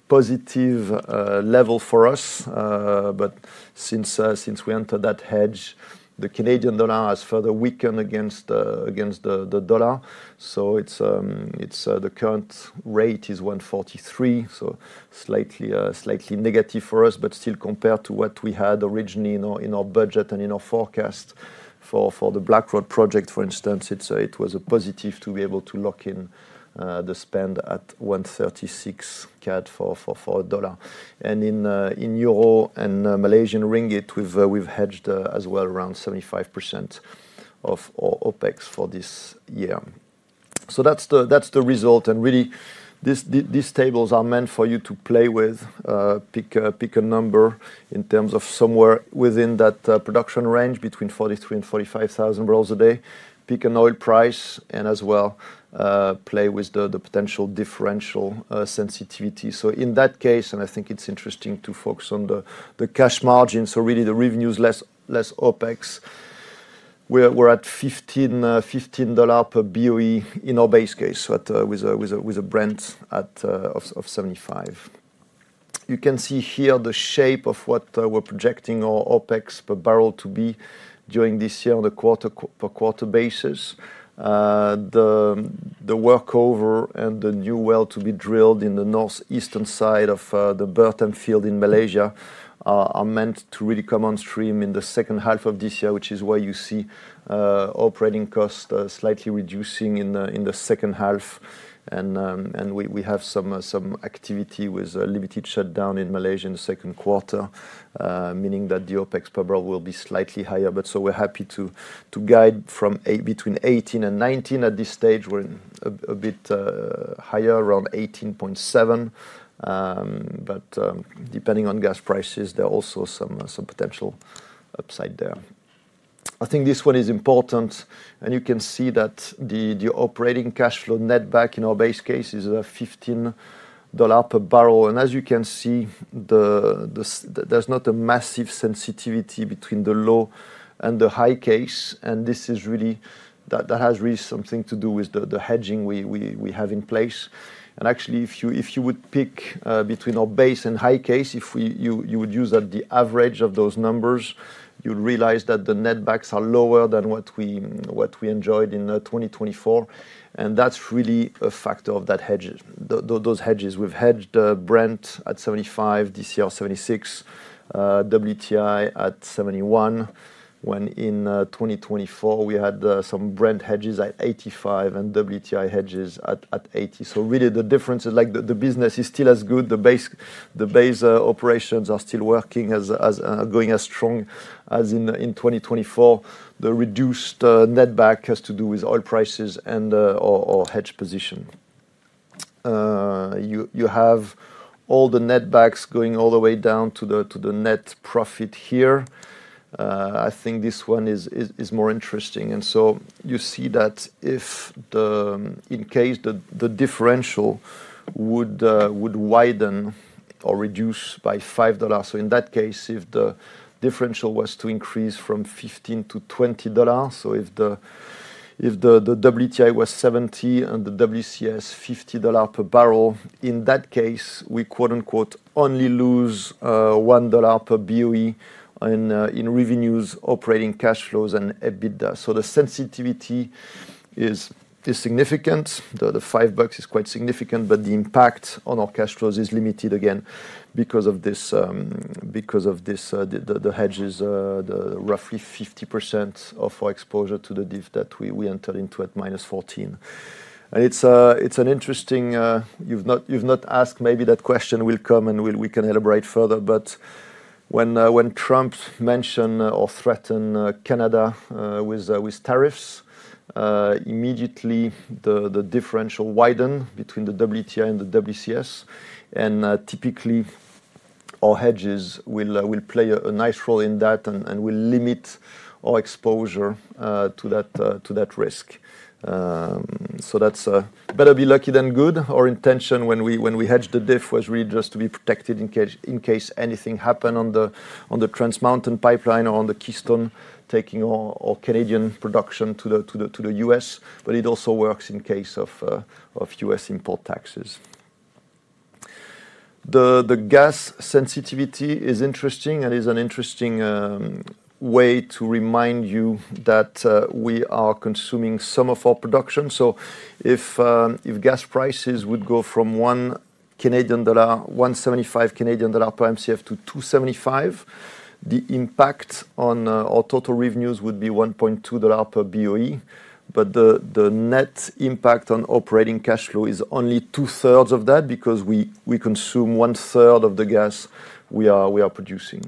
positive level for us. But since we entered that hedge, the Canadian dollar has further weakened against the dollar. So the current rate is 143, so slightly negative for us, but still compared to what we had originally in our budget and in our forecast for the Blackrod project, for instance. It was a positive to be able to lock in the spend at 136 CAD for a dollar. And in euro and Malaysian ringgit, we've hedged as well around 75% of our OpEx for this year. So that's the result. And really, these tables are meant for you to play with, pick a number in terms of somewhere within that production range between 43,000-45,000 barrels a day, pick an oil price, and as well play with the potential differential sensitivity. So in that case, and I think it's interesting to focus on the cash margin, so really the revenues less OpEx, we're at $15 per BOE in our base case with a Brent of 75. You can see here the shape of what we're projecting our OpEx per barrel to be during this year on a quarter-per-quarter basis. The workover and the new well to be drilled in the northeastern side of the Bertam field in Malaysia are meant to really come on stream in the second half of this year, which is where you see operating costs slightly reducing in the second half. And we have some activity with limited shutdown in Malaysia in the second quarter, meaning that the OpEx per barrel will be slightly higher. But so we're happy to guide from between 18 and 19 at this stage. We're a bit higher, around 18.7. But depending on gas prices, there are also some potential upside there. I think this one is important. And you can see that the operating cash flow net back in our base case is $15 per barrel. As you can see, there's not a massive sensitivity between the low and the high case. This is really that has really something to do with the hedging we have in place. Actually, if you would pick between our base and high case, if you would use the average of those numbers, you'd realize that the net backs are lower than what we enjoyed in 2024. That's really a factor of those hedges. We've hedged Brent at $75 this year, $76, WTI at $71, when in 2024, we had some Brent hedges at $85 and WTI hedges at $80. Really, the difference is like the business is still as good. The base operations are still working, going as strong as in 2024. The reduced net back has to do with oil prices and our hedge position. You have all the net backs going all the way down to the net profit here. I think this one is more interesting. And so you see that if the in case the differential would widen or reduce by $5. So in that case, if the differential was to increase from $15-$20, so if the WTI was $70 and the WCS $50 per barrel, in that case, we "only lose" $1 per BOE in revenues, operating cash flows, and EBITDA. So the sensitivity is significant. The five bucks is quite significant, but the impact on our cash flows is limited again because of the hedges, roughly 50% of our exposure to the diff that we entered into at minus 14. It's an interesting question you've not asked. Maybe that question will come and we can elaborate further, but when Trump mentioned or threatened Canada with tariffs, immediately the differential widened between the WTI and the WCS. Typically, our hedges will play a nice role in that and will limit our exposure to that risk. That's better to be lucky than good. Our intention when we hedged the diff was really just to be protected in case anything happened on the Trans Mountain Pipeline or on the Keystone Pipeline taking our Canadian production to the U.S. It also works in case of U.S. import taxes. The gas sensitivity is interesting and is an interesting way to remind you that we are consuming some of our production. If gas prices would go from 1.75 Canadian dollar per MCF to 2.75, the impact on our total revenues would be $1.2 per BOE. The net impact on operating cash flow is only two-thirds of that because we consume one-third of the gas we are producing.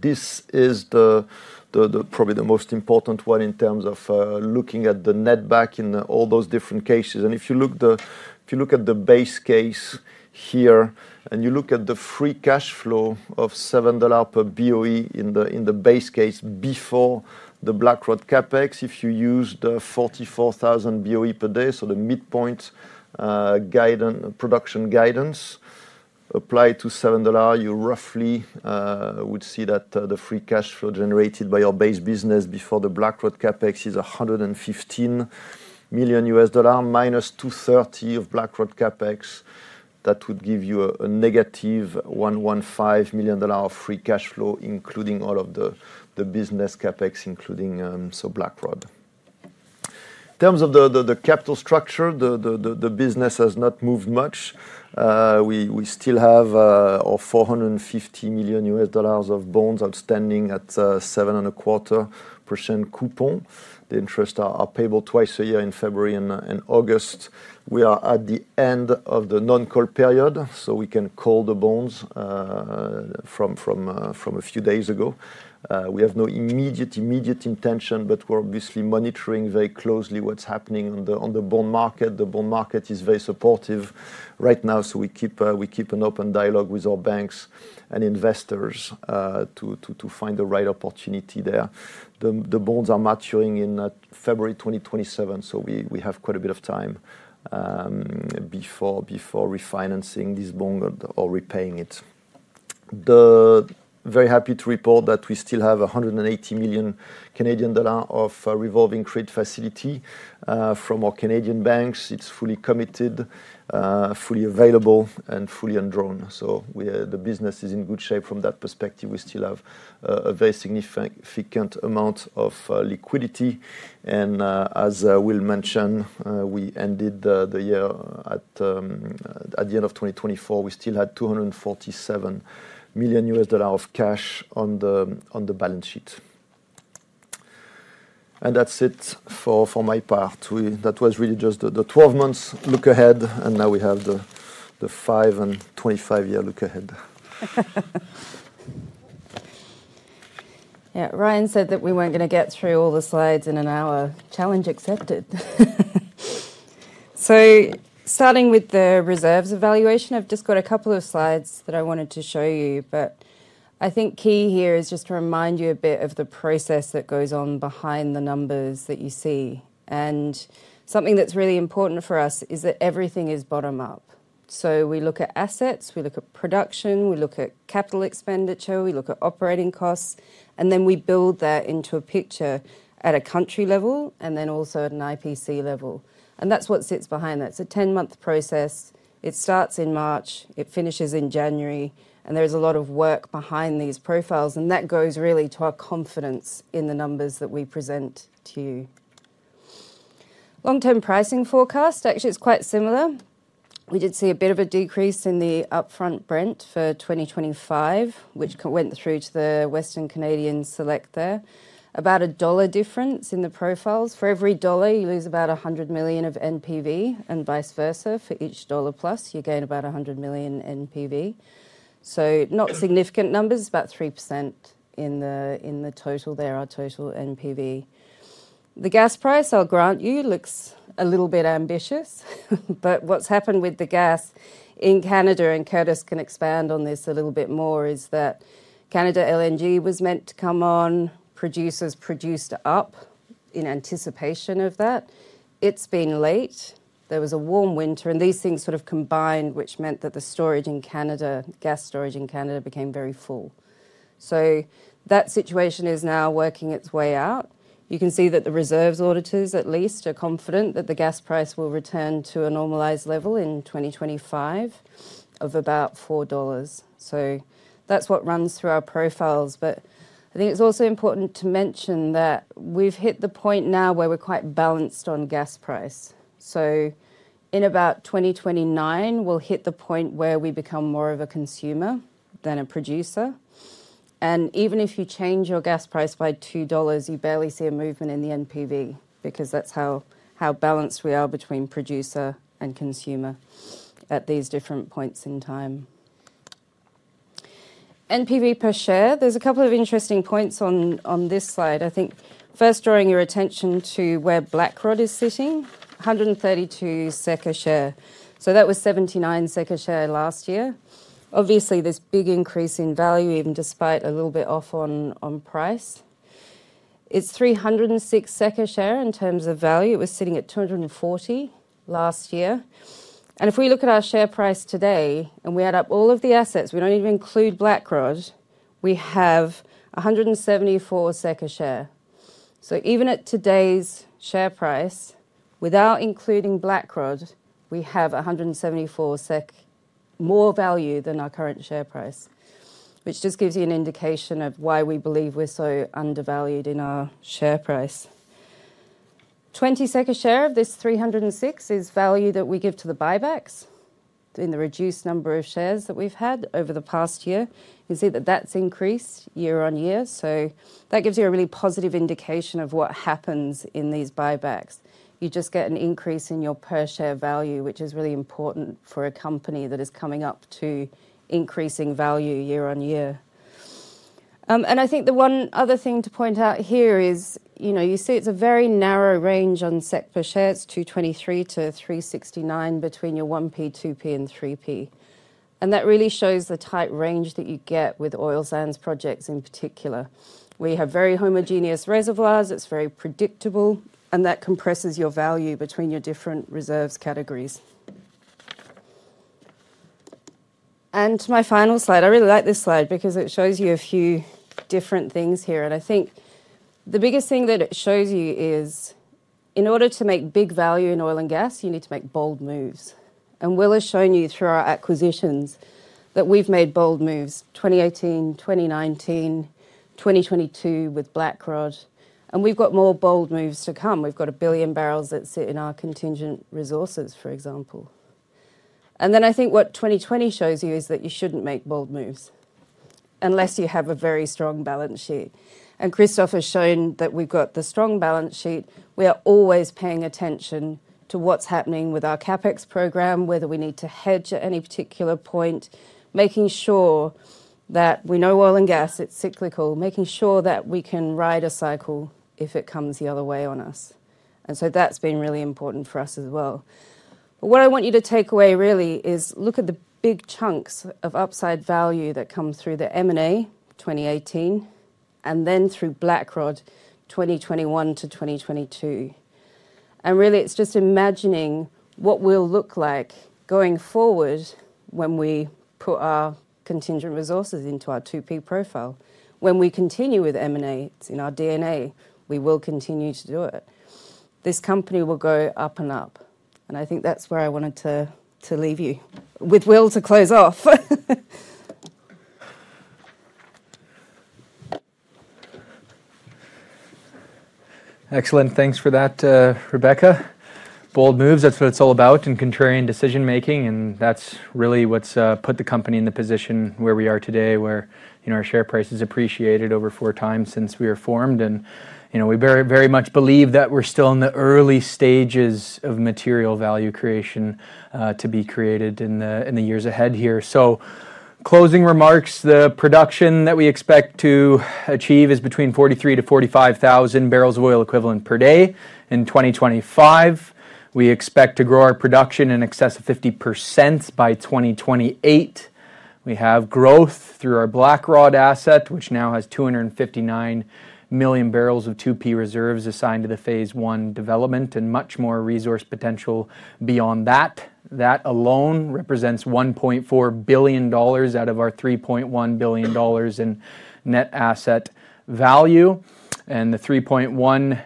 This is probably the most important one in terms of looking at the net back in all those different cases. If you look at the base case here and you look at the free cash flow of $7 per BOE in the base case before the Blackrod CapEx, if you use the 44,000 BOE per day, so the midpoint production guidance applied to $7, you roughly would see that the free cash flow generated by our base business before the Blackrod CapEx is $115 million minus $230 million of Blackrod CapEx. That would give you a negative $115 million of free cash flow, including all of the business CapEx, including Blackrod. In terms of the capital structure, the business has not moved much. We still have our $450 million of bonds outstanding at 7.25% coupon. The interests are payable twice a year in February and August. We are at the end of the non-call period, so we can call the bonds from a few days ago. We have no immediate intention, but we're obviously monitoring very closely what's happening on the bond market. The bond market is very supportive right now, so we keep an open dialogue with our banks and investors to find the right opportunity there. The bonds are maturing in February 2027, so we have quite a bit of time before refinancing this bond or repaying it. Very happy to report that we still have 180 million Canadian dollar of revolving credit facility from our Canadian banks. It's fully committed, fully available, and fully enjoyed. So the business is in good shape from that perspective. We still have a very significant amount of liquidity. And as Will mentioned, we ended the year at the end of 2024. We still had $247 million of cash on the balance sheet. And that's it for my part. That was really just the 12 months look ahead, and now we have the five and 25-year look ahead. Yeah, Ryan said that we weren't going to get through all the slides in an hour. Challenge accepted. So starting with the reserves evaluation, I've just got a couple of slides that I wanted to show you. But I think key here is just to remind you a bit of the process that goes on behind the numbers that you see. And something that's really important for us is that everything is bottom-up. So we look at assets, we look at production, we look at capital expenditure, we look at operating costs, and then we build that into a picture at a country level and then also at an IPC level. And that's what sits behind that. It's a 10-month process. It starts in March, it finishes in January, and there is a lot of work behind these profiles. And that goes really to our confidence in the numbers that we present to you. Long-term pricing forecast, actually, it's quite similar. We did see a bit of a decrease in the upfront Brent for 2025, which went through to the Western Canadian Select there. About a dollar difference in the profiles. For every dollar, you lose about 100 million of NPV, and vice versa. For each dollar plus, you gain about 100 million NPV. So not significant numbers, about 3% in the total there, our total NPV. The gas price, I'll grant you, looks a little bit ambitious. But what's happened with the gas in Canada, and Curtis can expand on this a little bit more, is that Canada LNG was meant to come on, producers produced up in anticipation of that. It's been late. There was a warm winter, and these things sort of combined, which meant that the storage in Canada, gas storage in Canada, became very full. So that situation is now working its way out. You can see that the reserves auditors, at least, are confident that the gas price will return to a normalized level in 2025 of about $4. So that's what runs through our profiles. But I think it's also important to mention that we've hit the point now where we're quite balanced on gas price. So in about 2029, we'll hit the point where we become more of a consumer than a producer. And even if you change your gas price by $2, you barely see a movement in the NPV because that's how balanced we are between producer and consumer at these different points in time. NPV per share, there's a couple of interesting points on this slide. I think first drawing your attention to where Blackrod is sitting, 132 SEK a share. So that was 79 SEK a share last year. Obviously, this big increase in value, even despite a little bit off on price. It's 306 a share in terms of value. It was sitting at 240 last year. And if we look at our share price today and we add up all of the assets, we don't even include Blackrod, we have 174 SEK a share. So even at today's share price, without including Blackrod, we have 174 SEK more value than our current share price, which just gives you an indication of why we believe we're so undervalued in our share price. 20 a share of this 306 is value that we give to the buybacks in the reduced number of shares that we've had over the past year. You can see that that's increased year on year. So that gives you a really positive indication of what happens in these buybacks. You just get an increase in your per share value, which is really important for a company that is coming up to increasing value year on year, and I think the one other thing to point out here is you see it's a very narrow range on SEK per share, it's 223 to 369 between your 1P, 2P, and 3P, and that really shows the tight range that you get with oil sands projects in particular. We have very homogeneous reservoirs. It's very predictable, and that compresses your value between your different reserves categories, and my final slide, I really like this slide because it shows you a few different things here, and I think the biggest thing that it shows you is in order to make big value in oil and gas, you need to make bold moves. And Will has shown you through our acquisitions that we've made bold moves, 2018, 2019, 2022 with Blackrod. And we've got more bold moves to come. We've got a billion barrels that sit in our contingent resources, for example. And then I think what 2020 shows you is that you shouldn't make bold moves unless you have a very strong balance sheet. And Christophe has shown that we've got the strong balance sheet. We are always paying attention to what's happening with our CapEx program, whether we need to hedge at any particular point, making sure that we know oil and gas, it's cyclical, making sure that we can ride a cycle if it comes the other way on us. And so that's been really important for us as well. But what I want you to take away, really, is look at the big chunks of upside value that come through the M&A 2018 and then through Blackrod 2021 to 2022. And really, it's just imagining what we'll look like going forward when we put our contingent resources into our 2P profile. When we continue with M&A in our DNA, we will continue to do it. This company will go up and up. And I think that's where I wanted to leave you with Will to close off. Excellent. Thanks for that, Rebecca. Bold moves, that's what it's all about in contrarian decision-making. And that's really what's put the company in the position where we are today, where our share price has appreciated over four times since we were formed. We very much believe that we're still in the early stages of material value creation to be created in the years ahead here. Closing remarks, the production that we expect to achieve is between 43,000 to 45,000 barrels of oil equivalent per day in 2025. We expect to grow our production in excess of 50% by 2028. We have growth through our Blackrod asset, which now has 259 million barrels of 2P reserves assigned to the Phase 1 development and much more resource potential beyond that. That alone represents $1.4 billion out of our $3.1 billion in net asset value. The 3.1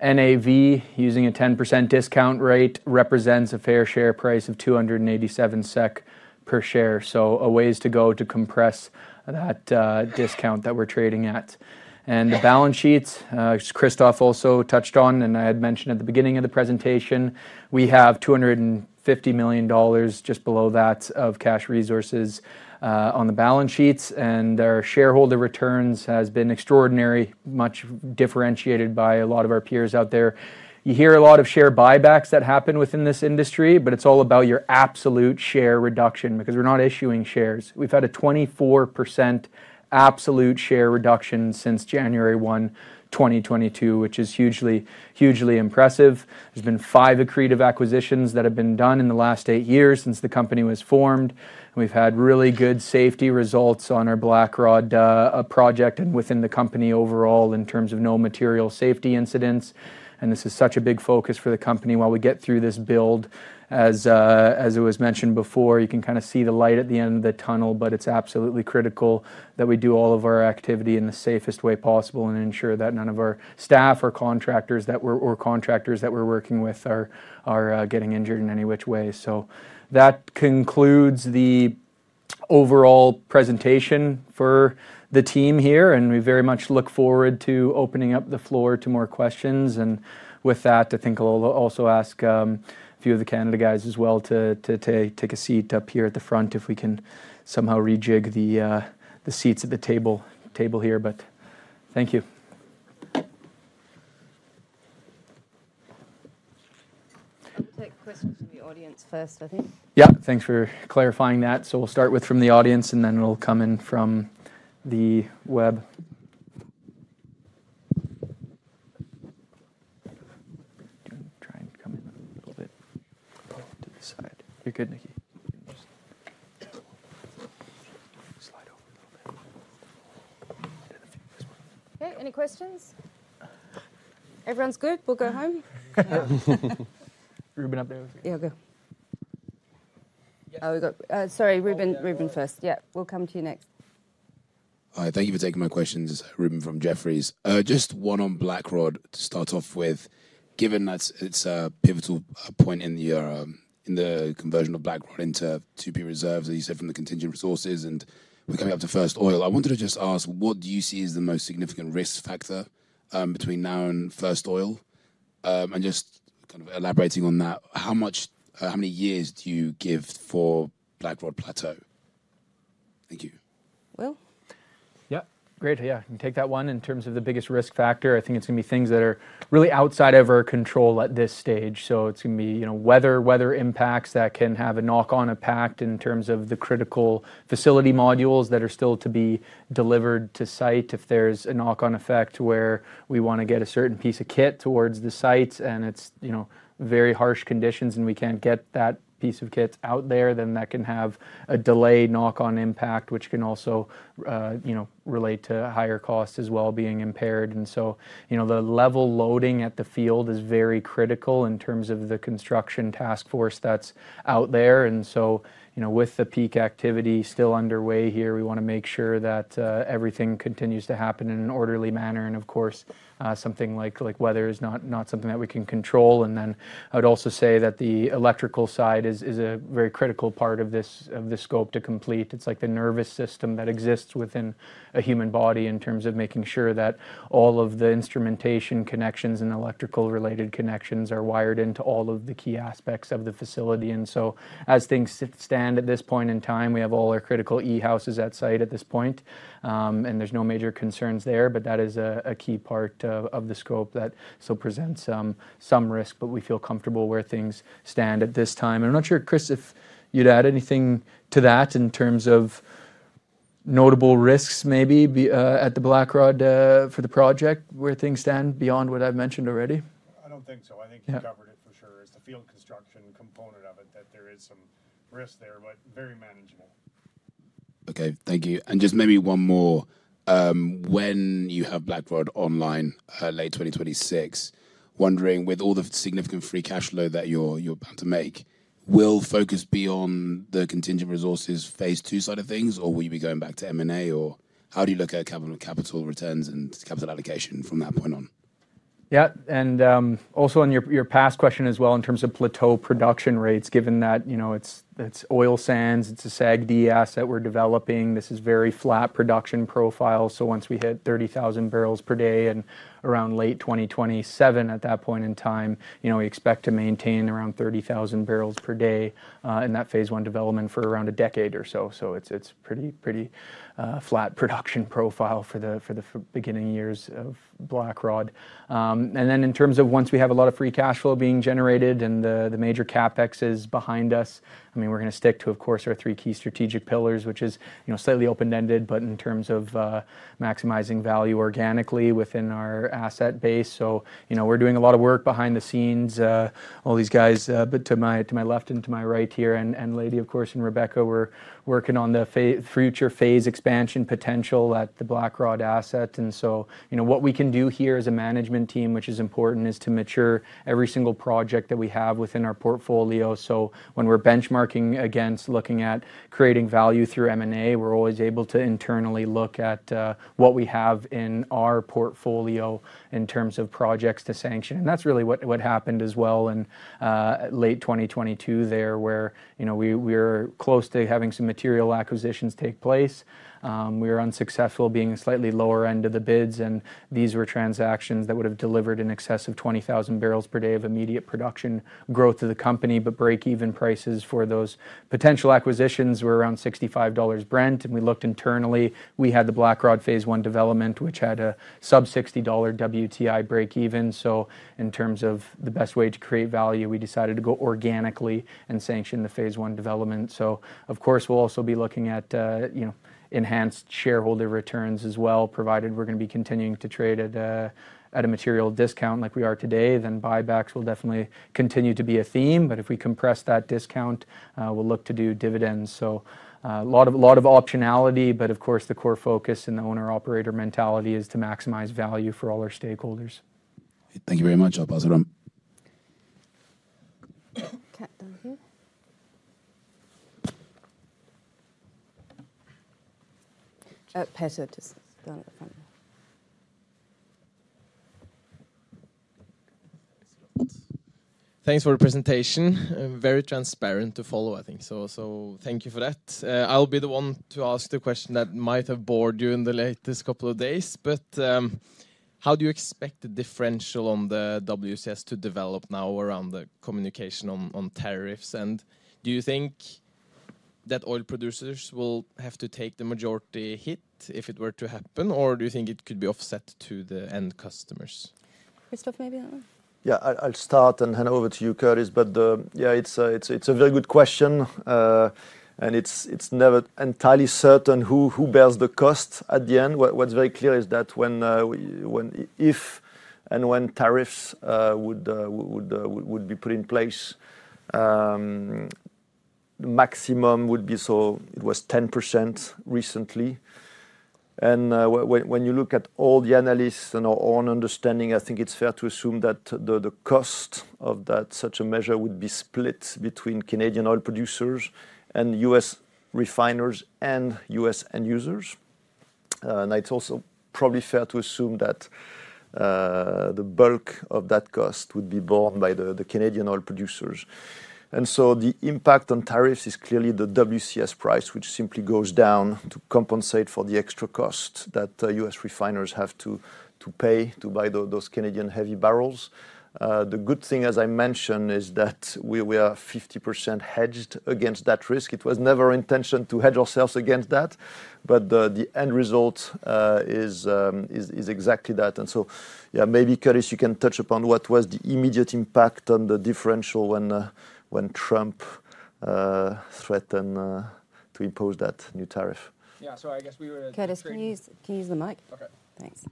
NAV using a 10% discount rate represents a fair share price of 287 SEK per share. A ways to go to compress that discount that we're trading at. And the balance sheets, Christophe also touched on, and I had mentioned at the beginning of the presentation, we have $250 million just below that of cash resources on the balance sheets. And our shareholder returns have been extraordinary, much differentiated by a lot of our peers out there. You hear a lot of share buybacks that happen within this industry, but it's all about your absolute share reduction because we're not issuing shares. We've had a 24% absolute share reduction since January 1, 2022, which is hugely impressive. There's been five accretive acquisitions that have been done in the last eight years since the company was formed. And we've had really good safety results on our Blackrod project and within the company overall in terms of no material safety incidents. And this is such a big focus for the company while we get through this build. As it was mentioned before, you can kind of see the light at the end of the tunnel, but it's absolutely critical that we do all of our activity in the safest way possible and ensure that none of our staff or contractors that we're working with are getting injured in any which way. So that concludes the overall presentation for the team here. And we very much look forward to opening up the floor to more questions. And with that, I think I'll also ask a few of the Canada guys as well to take a seat up here at the front if we can somehow rejig the seats at the table here. But thank you. We'll take questions from the audience first, I think. Yeah, thanks for clarifying that. So we'll start with from the audience, and then it'll come in from the web. Try and come in a little bit to the side. You're good, Nicki. Slide over a little bit. Okay, any questions? Everyone's good? We'll go home? Ruben up there with you. Yeah, we go. Sorry, Ruben first. Yeah, we'll come to you next. Hi, thank you for taking my questions. Ruben from Jefferies. Just one on Blackrod to start off with. Given that it's a pivotal point in the conversion of Blackrod into 2P reserves, as you said, from the contingent resources, and we're coming up to First Oil, I wanted to just ask, what do you see as the most significant risk factor between now and First Oil? And just kind of elaborating on that, how many years do you give for Blackrod Plateau? Thank you. Will? Yeah, great. Yeah, I can take that one in terms of the biggest risk factor. I think it's going to be things that are really outside of our control at this stage. So it's going to be weather impacts that can have a knock-on effect in terms of the critical facility modules that are still to be delivered to site. If there's a knock-on effect where we want to get a certain piece of kit towards the site and it's very harsh conditions and we can't get that piece of kit out there, then that can have a delayed knock-on impact, which can also relate to higher costs, as well as being impaired. And so the level loading at the field is very critical in terms of the construction task force that's out there. And so with the peak activity still underway here, we want to make sure that everything continues to happen in an orderly manner. Of course, something like weather is not something that we can control. And then I would also say that the electrical side is a very critical part of this scope to complete. It's like the nervous system that exists within a human body in terms of making sure that all of the instrumentation connections and electrical-related connections are wired into all of the key aspects of the facility. And so as things stand at this point in time, we have all our critical E-houses at site at this point, and there's no major concerns there. But that is a key part of the scope that still presents some risk, but we feel comfortable where things stand at this time. And I'm not sure, Chris, if you'd add anything to that in terms of notable risks maybe at the Blackrod for the project where things stand beyond what I've mentioned already. I don't think so. I think you covered it for sure. It's the field construction component of it that there is some risk there, but very manageable. Okay, thank you. And just maybe one more. When you have Blackrod online late 2026, wondering with all the significant free cash flow that you're about to make, will focus be on the contingent resources phase two side of things, or will you be going back to M&A? Or how do you look at capital returns and capital allocation from that point on? Yeah, and also on your past question as well in terms of plateau production rates, given that it's oil sands, it's a SAGD asset we're developing. This is a very flat production profile. Once we hit 30,000 barrels per day around late 2027, at that point in time we expect to maintain around 30,000 barrels per day in that Phase 1 development for around a decade or so. It's a pretty flat production profile for the beginning years of Blackrod. Then in terms of once we have a lot of free cash flow being generated and the major CapEx is behind us, I mean, we're going to stick to, of course, our three key strategic pillars, which is slightly open-ended, but in terms of maximizing value organically within our asset base. We're doing a lot of work behind the scenes, all these guys to my left and to my right here, and Nicki, of course, and Rebecca working on the future phase expansion potential at the Blackrod asset. And so what we can do here as a management team, which is important, is to mature every single project that we have within our portfolio. So when we're benchmarking against looking at creating value through M&A, we're always able to internally look at what we have in our portfolio in terms of projects to sanction. And that's really what happened as well in late 2022 there where we were close to having some material acquisitions take place. We were unsuccessful being a slightly lower end of the bids. And these were transactions that would have delivered in excess of 20,000 barrels per day of immediate production growth of the company, but break-even prices for those potential acquisitions were around $65 Brent. And we looked internally. We had the Blackrod Phase 1 development, which had a sub-$60 WTI break-even. So in terms of the best way to create value, we decided to go organically and sanction the Phase 1 development. So of course, we'll also be looking at enhanced shareholder returns as well, provided we're going to be continuing to trade at a material discount like we are today. Then buybacks will definitely continue to be a theme. But if we compress that discount, we'll look to do dividends. So a lot of optionality, but of course, the core focus and the owner-operator mentality is to maximize value for all our stakeholders. Thank you very much. I'll pass it on. Thanks for the presentation. Very transparent to follow, I think. So thank you for that. I'll be the one to ask the question that might have bored you in the latest couple of days. But how do you expect the differential on the WCS to develop now around the communication on tariffs? And do you think that oil producers will have to take the majority hit if it were to happen? Or do you think it could be offset to the end customers? Christophe, maybe that one? Yeah, I'll start and hand over to you, Curtis. But yeah, it's a very good question. And it's never entirely certain who bears the cost at the end. What's very clear is that if and when tariffs would be put in place, the maximum would be so it was 10% recently. And when you look at all the analysts and our own understanding, I think it's fair to assume that the cost of such a measure would be split between Canadian oil producers and US refiners and US end users. It's also probably fair to assume that the bulk of that cost would be borne by the Canadian oil producers. The impact on tariffs is clearly the WCS price, which simply goes down to compensate for the extra cost that US refiners have to pay to buy those Canadian heavy barrels. The good thing, as I mentioned, is that we were 50% hedged against that risk. It was never intention to hedge ourselves against that. But the end result is exactly that. Yeah, maybe, Curtis, you can touch upon what was the immediate impact on the differential when Trump threatened to impose that new tariff. Yeah, so I guess we were at the end. Curtis, can you use the mic? Okay. Thanks.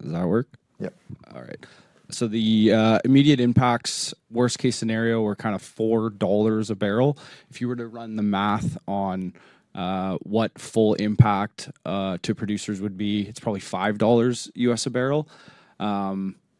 Does that work? Yep. All right. The immediate impacts, worst-case scenario, were kind of $4 a barrel. If you were to run the math on what full impact to producers would be, it's probably $5 a barrel.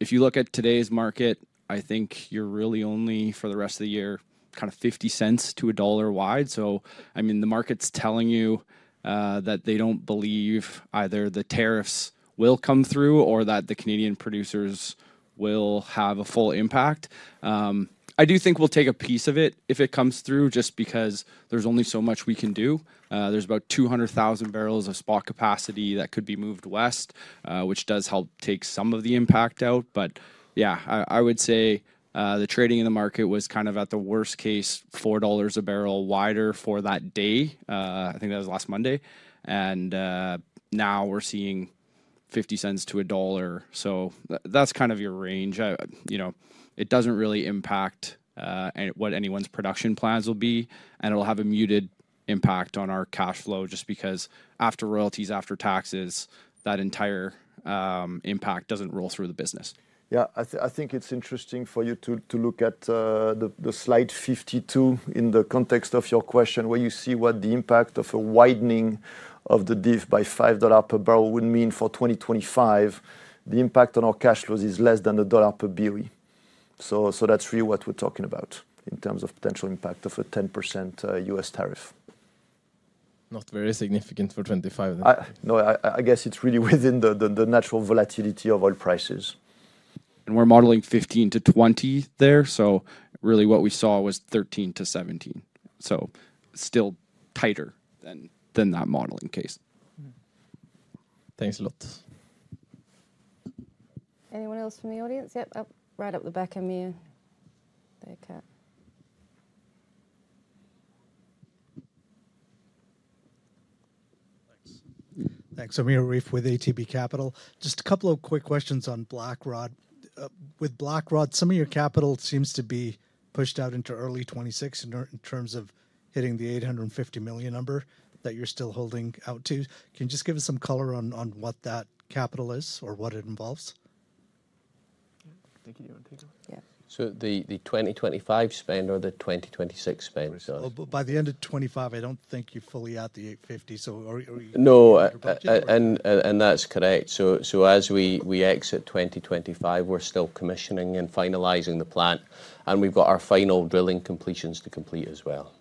If you look at today's market, I think you're really only for the rest of the year kind of $0.50 to $1 wide. So, I mean, the market's telling you that they don't believe either the tariffs will come through or that the Canadian producers will have a full impact. I do think we'll take a piece of it if it comes through just because there's only so much we can do. There's about 200,000 barrels of spot capacity that could be moved west, which does help take some of the impact out. But yeah, I would say the trading in the market was kind of at the worst case $4 a barrel wider for that day. I think that was last Monday. And now we're seeing $0.50 to $1.00. So that's kind of your range. It doesn't really impact what anyone's production plans will be. And it'll have a muted impact on our cash flow just because after royalties, after taxes, that entire impact doesn't roll through the business. Yeah, I think it's interesting for you to look at slide 52 in the context of your question, where you see what the impact of a widening of the diff by $5 per barrel would mean for 2025. The impact on our cash flows is less than $1.00 per BOE. So that's really what we're talking about in terms of potential impact of a 10% US tariff. Not very significant for 2025. No, I guess it's really within the natural volatility of oil prices. And we're modeling $15 to $20 there. So really what we saw was $13 to $17, so still tighter than that modeling case. Thanks a lot. Anyone else from the audience? Yep, right up the back, Amir. Thanks. Thanks. Amir Arif with ATB Capital. Just a couple of quick questions on Blackrod. With Blackrod, some of your capital seems to be pushed out into early 2026 in terms of hitting the $850 million number that you're still holding out to. Can you just give us some color on what that capital is or what it involves? Thank you. Do you want to take it? Yeah. So the 2025 spend or the 2026 spend? By the end of 2025, I don't think you're fully out the 850, so are you? No. And that's correct, so as we exit 2025, we're still commissioning and finalizing the plant. We've got our final drilling completions to complete as well.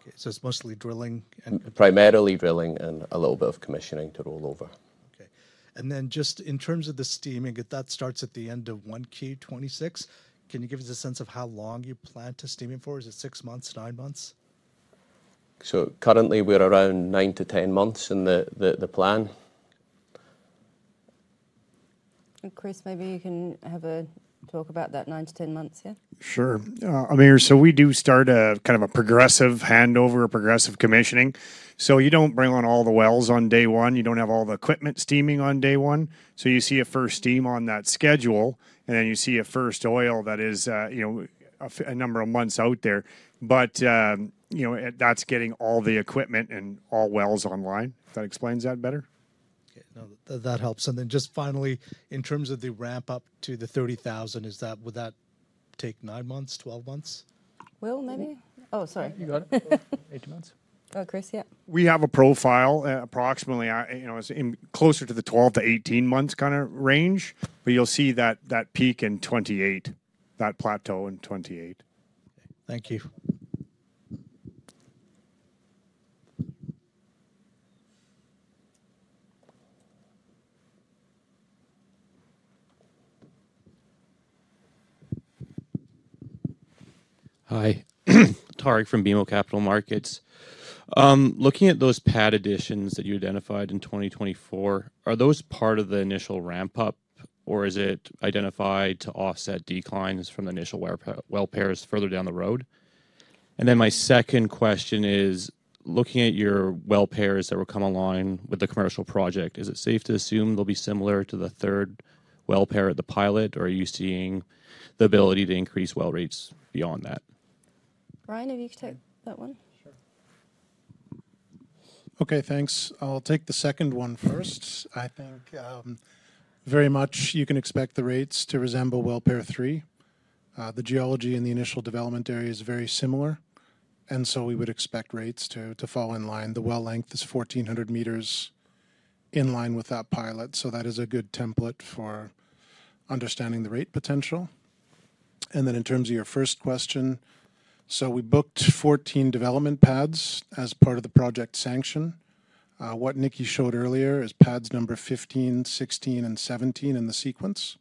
Okay. It's mostly drilling and. Primarily drilling and a little bit of commissioning to roll over. Okay. Then just in terms of the steaming, if that starts at the end of Q1 2026, can you give us a sense of how long you plan to steam it for? Is it six months, nine months? Currently we're around nine to 10 months in the plan. Chris, maybe you can have a talk about that nine to 10 months, yeah? Sure. Amir, we do start a kind of a progressive handover, a progressive commissioning. You don't bring on all the wells on day one. You don't have all the equipment steaming on day one. So you see a first steam on that schedule, and then you see a first oil that is a number of months out there. But that's getting all the equipment and all wells online. That explains that better. Okay. No, that helps. And then just finally, in terms of the ramp up to the 30,000, would that take nine months, 12 months? Well, maybe? Oh, sorry. You got it. 18 months. Oh, Chris, yeah. We have a profile approximately closer to the 12 to 18 months kind of range, but you'll see that peak in 28, that plateau in 28. Thank you. Hi. Tariq from BMO Capital Markets. Looking at those pad additions that you identified in 2024, are those part of the initial ramp up, or is it identified to offset declines from the initial well pairs further down the road? Then my second question is, looking at your well pairs that will come along with the commercial project, is it safe to assume they'll be similar to the third well pair at the pilot, or are you seeing the ability to increase well rates beyond that? Ryan, if you could take that one. Sure. Okay, thanks. I'll take the second one first. I think very much you can expect the rates to resemble well pair three. The geology in the initial development area is very similar, and so we would expect rates to fall in line. The well length is 1,400 meters in line with that pilot. So that is a good template for understanding the rate potential. Then in terms of your first question, so we booked 14 development pads as part of the project sanction. What Nicki showed earlier is pads number 15, 16, and 17 in the sequence.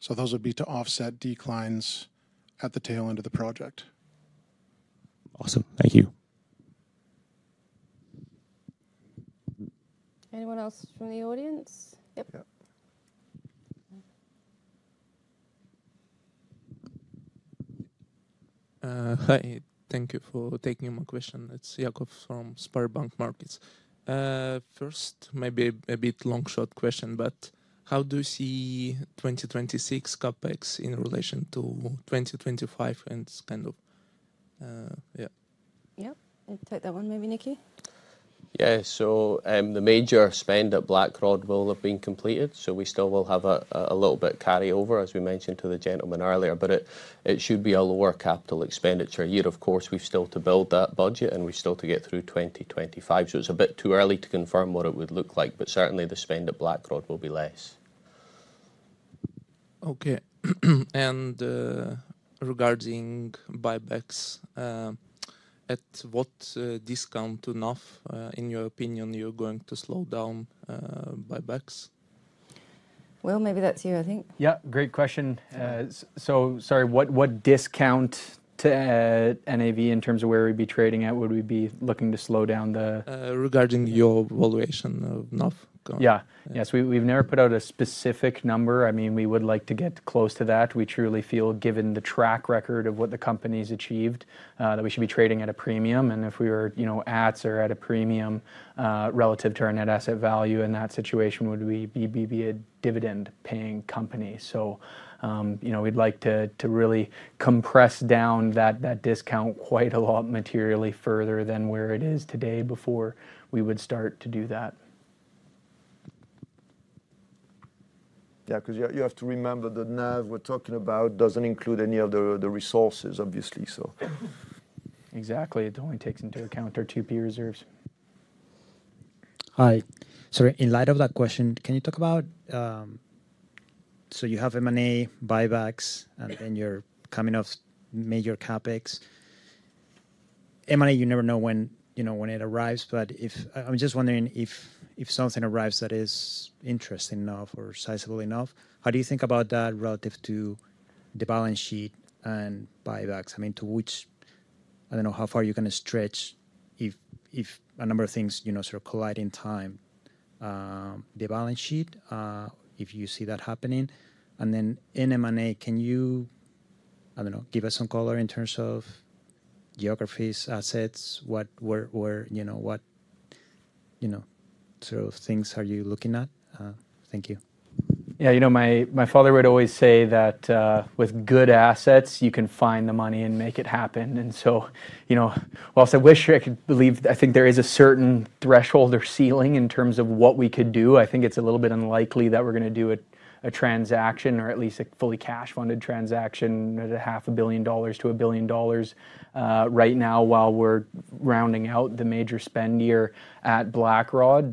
So those would be to offset declines at the tail end of the project. Awesome. Thank you. Anyone else from the audience? Yep. Hi. Thank you for taking my question. It's Jakov from SpareBank 1 Markets. First, maybe a bit long-shot question, but how do you see 2026 CapEx in relation to 2025 and kind of, yeah? Yep. Take that one, maybe, Nicki. Yeah. So the major spend at Blackrod will have been completed. So we still will have a little bit of carryover, as we mentioned to the gentleman earlier, but it should be a lower capital expenditure year. Of course, we've still to build that budget, and we've still to get through 2025.So it's a bit too early to confirm what it would look like, but certainly the spend at Blackrod will be less. Okay. And regarding buybacks, at what discount to NAV, in your opinion, you're going to slow down buybacks? Will, maybe that's you, I think. Yeah. Great question. So sorry, what discount to NAV in terms of where we'd be trading at? Would we be looking to slow down the. Regarding your valuation to NAV? Yeah. Yes. We've never put out a specific number. I mean, we would like to get close to that. We truly feel, given the track record of what the company's achieved, that we should be trading at a premium. And if we were at or at a premium relative to our net asset value in that situation, would we be a dividend-paying company? So we'd like to really compress down that discount quite a lot materially further than where it is today before we would start to do that. Yeah, because you have to remember the NAV we're talking about doesn't include any of the resources, obviously, so. Exactly. It only takes into account our 2P reserves. Hi. Sorry, in light of that question, can you talk about, so you have M&A buybacks, and then you're coming off major CapEx. M&A, you never know when it arrives, but I'm just wondering if something arrives that is interesting enough or sizable enough, how do you think about that relative to the balance sheet and buybacks? I mean, to which, I don't know how far you're going to stretch if a number of things sort of collide in time, the balance sheet, if you see that happening. And then in M&A, can you, I don't know, give us some color in terms of geographies, assets, what sort of things are you looking at? Thank you. Yeah. My father would always say that with good assets, you can find the money and make it happen. And so whilst I wish I could believe, I think there is a certain threshold or ceiling in terms of what we could do, I think it's a little bit unlikely that we're going to do a transaction or at least a fully cash-funded transaction at $500 million-$1 billion right now while we're rounding out the major spend year at Blackrod.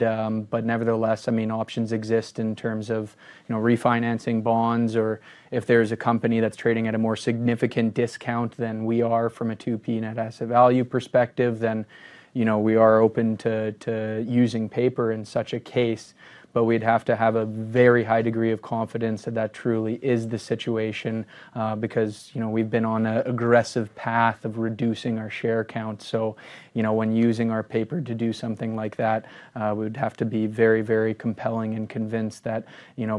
But nevertheless, I mean, options exist in terms of refinancing bonds. Or if there's a company that's trading at a more significant discount than we are from a 2P net asset value perspective, then we are open to using paper in such a case. But we'd have to have a very high degree of confidence that that truly is the situation because we've been on an aggressive path of reducing our share count. So when using our paper to do something like that, we would have to be very, very compelling and convinced that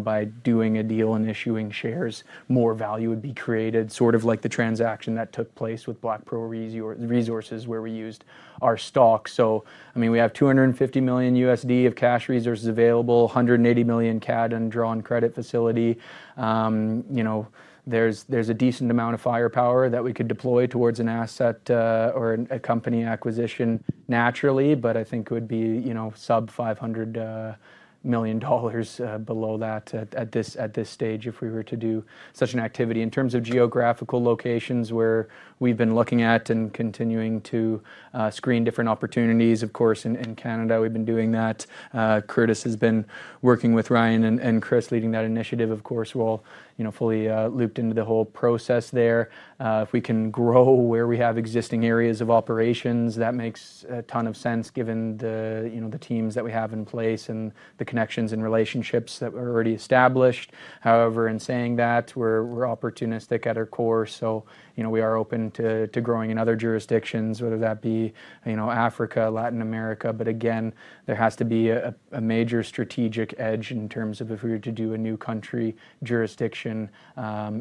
by doing a deal and issuing shares, more value would be created, sort of like the transaction that took place with Black Pearl Resources where we used our stock. So, I mean, we have $250 million of cash resources available, 180 million CAD in drawn credit facility. There's a decent amount of firepower that we could deploy towards an asset or a company acquisition naturally, but I think it would be sub $500 million below that at this stage if we were to do such an activity. In terms of geographical locations where we've been looking at and continuing to screen different opportunities, of course, in Canada, we've been doing that. Curtis has been working with Ryan and Chris leading that initiative, of course, while fully looped into the whole process there. If we can grow where we have existing areas of operations, that makes a ton of sense given the teams that we have in place and the connections and relationships that were already established. However, in saying that, we're opportunistic at our core. So we are open to growing in other jurisdictions, whether that be Africa, Latin America. But again, there has to be a major strategic edge in terms of if we were to do a new country jurisdiction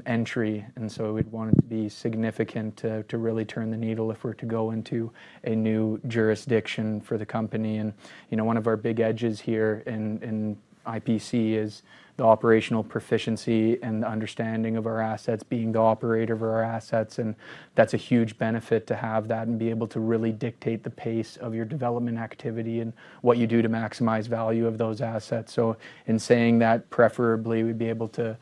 entry. And so we'd want it to be significant to really turn the needle if we're to go into a new jurisdiction for the company. And one of our big edges here in IPC is the operational proficiency and the understanding of our assets being the operator of our assets. And that's a huge benefit to have that and be able to really dictate the pace of your development activity and what you do to maximize value of those assets. So in saying that, preferably, we'd be able to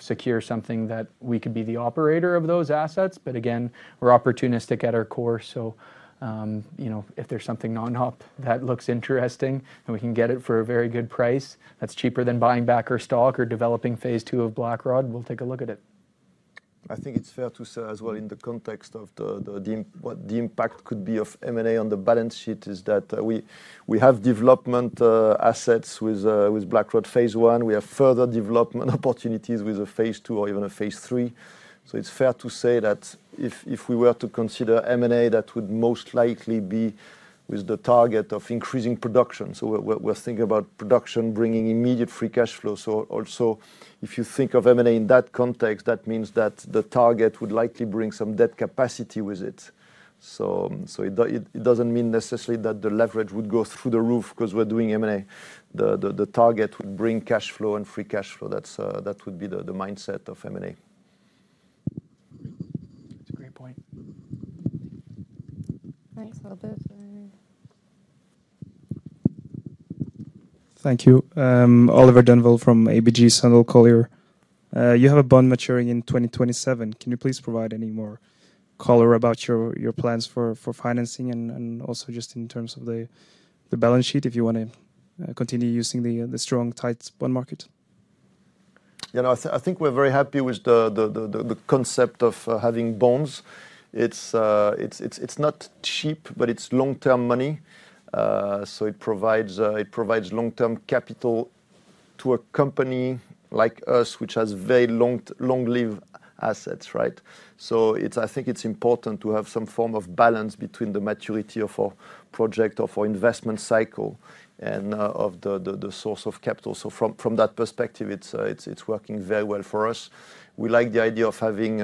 secure something that we could be the operator of those assets. But again, we're opportunistic at our core. So if there's something non-op that looks interesting and we can get it for a very good price that's cheaper than buying back our stock or developing phase two of Blackrod, we'll take a look at it. I think it's fair to say as well in the context of what the impact could be of M&A on the balance sheet is that we have development assets with Blackrod Phase 1. We have further development opportunities with a phase two or even a phase three. So it's fair to say that if we were to consider M&A, that would most likely be with the target of increasing production. So we're thinking about production bringing immediate free cash flow. So also, if you think of M&A in that context, that means that the target would likely bring some debt capacity with it. So it doesn't mean necessarily that the leverage would go through the roof because we're doing M&A. The target would bring cash flow and free cash flow. That would be the mindset of M&A. That's a great point. Thank you. Oliver Dunvold from ABG Sundal Collier. You have a bond maturing in 2027. Can you please provide any more color about your plans for financing and also just in terms of the balance sheet if you want to continue using the strong, tight bond market? Yeah. No, I think we're very happy with the concept of having bonds. It's not cheap, but it's long-term money. So it provides long-term capital to a company like us, which has very long-lived assets, right? So I think it's important to have some form of balance between the maturity of our project or for investment cycle and of the source of capital. So from that perspective, it's working very well for us. We like the idea of having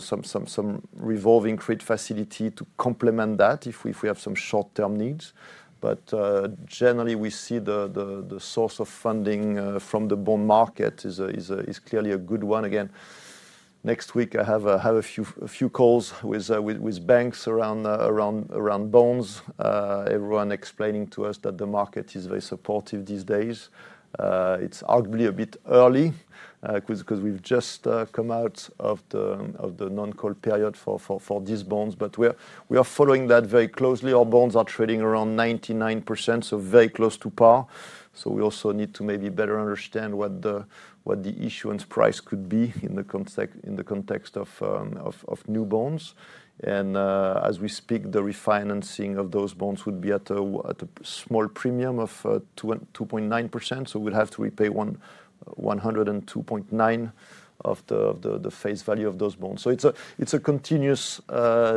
some revolving credit facility to complement that if we have some short-term needs. But generally, we see the source of funding from the bond market is clearly a good one. Again, next week, I have a few calls with banks around bonds. Everyone explaining to us that the market is very supportive these days. It's arguably a bit early because we've just come out of the non-call period for these bonds. But we are following that very closely. Our bonds are trading around 99%, so very close to par. So we also need to maybe better understand what the issuance price could be in the context of new bonds. And as we speak, the refinancing of those bonds would be at a small premium of 2.9%. So we'd have to repay 102.9% of the face value of those bonds. So it's a continuous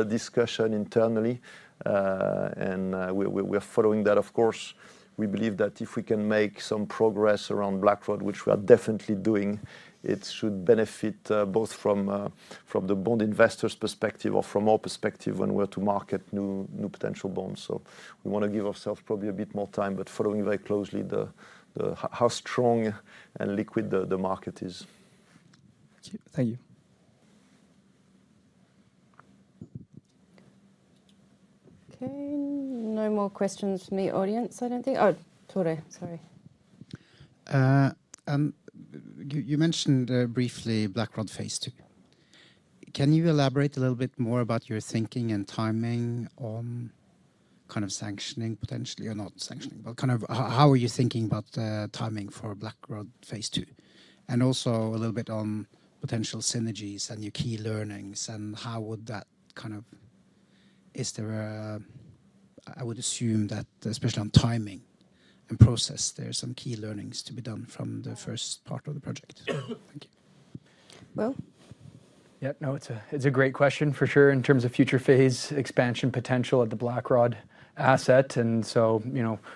discussion internally. And we're following that, of course. We believe that if we can make some progress around Blackrod, which we are definitely doing, it should benefit both from the bond investors' perspective or from our perspective when we're to market new potential bonds. So we want to give ourselves probably a bit more time, but following very closely how strong and liquid the market is. Thank you. Okay. No more questions from the audience, I don't think. Oh, Tore, sorry. You mentioned briefly Blackrod Phase 2. Can you elaborate a little bit more about your thinking and timing on kind of sanctioning potentially or not sanctioning, but kind of how are you thinking about timing for Blackrod Phase 2? Also a little bit on potential synergies and your key learnings and how would that kind of, is there, I would assume that especially on timing and process, there are some key learnings to be done from the first part of the project. Thank you. Will? Yeah. No, it's a great question for sure in terms of future phase expansion potential at the Blackrod asset. So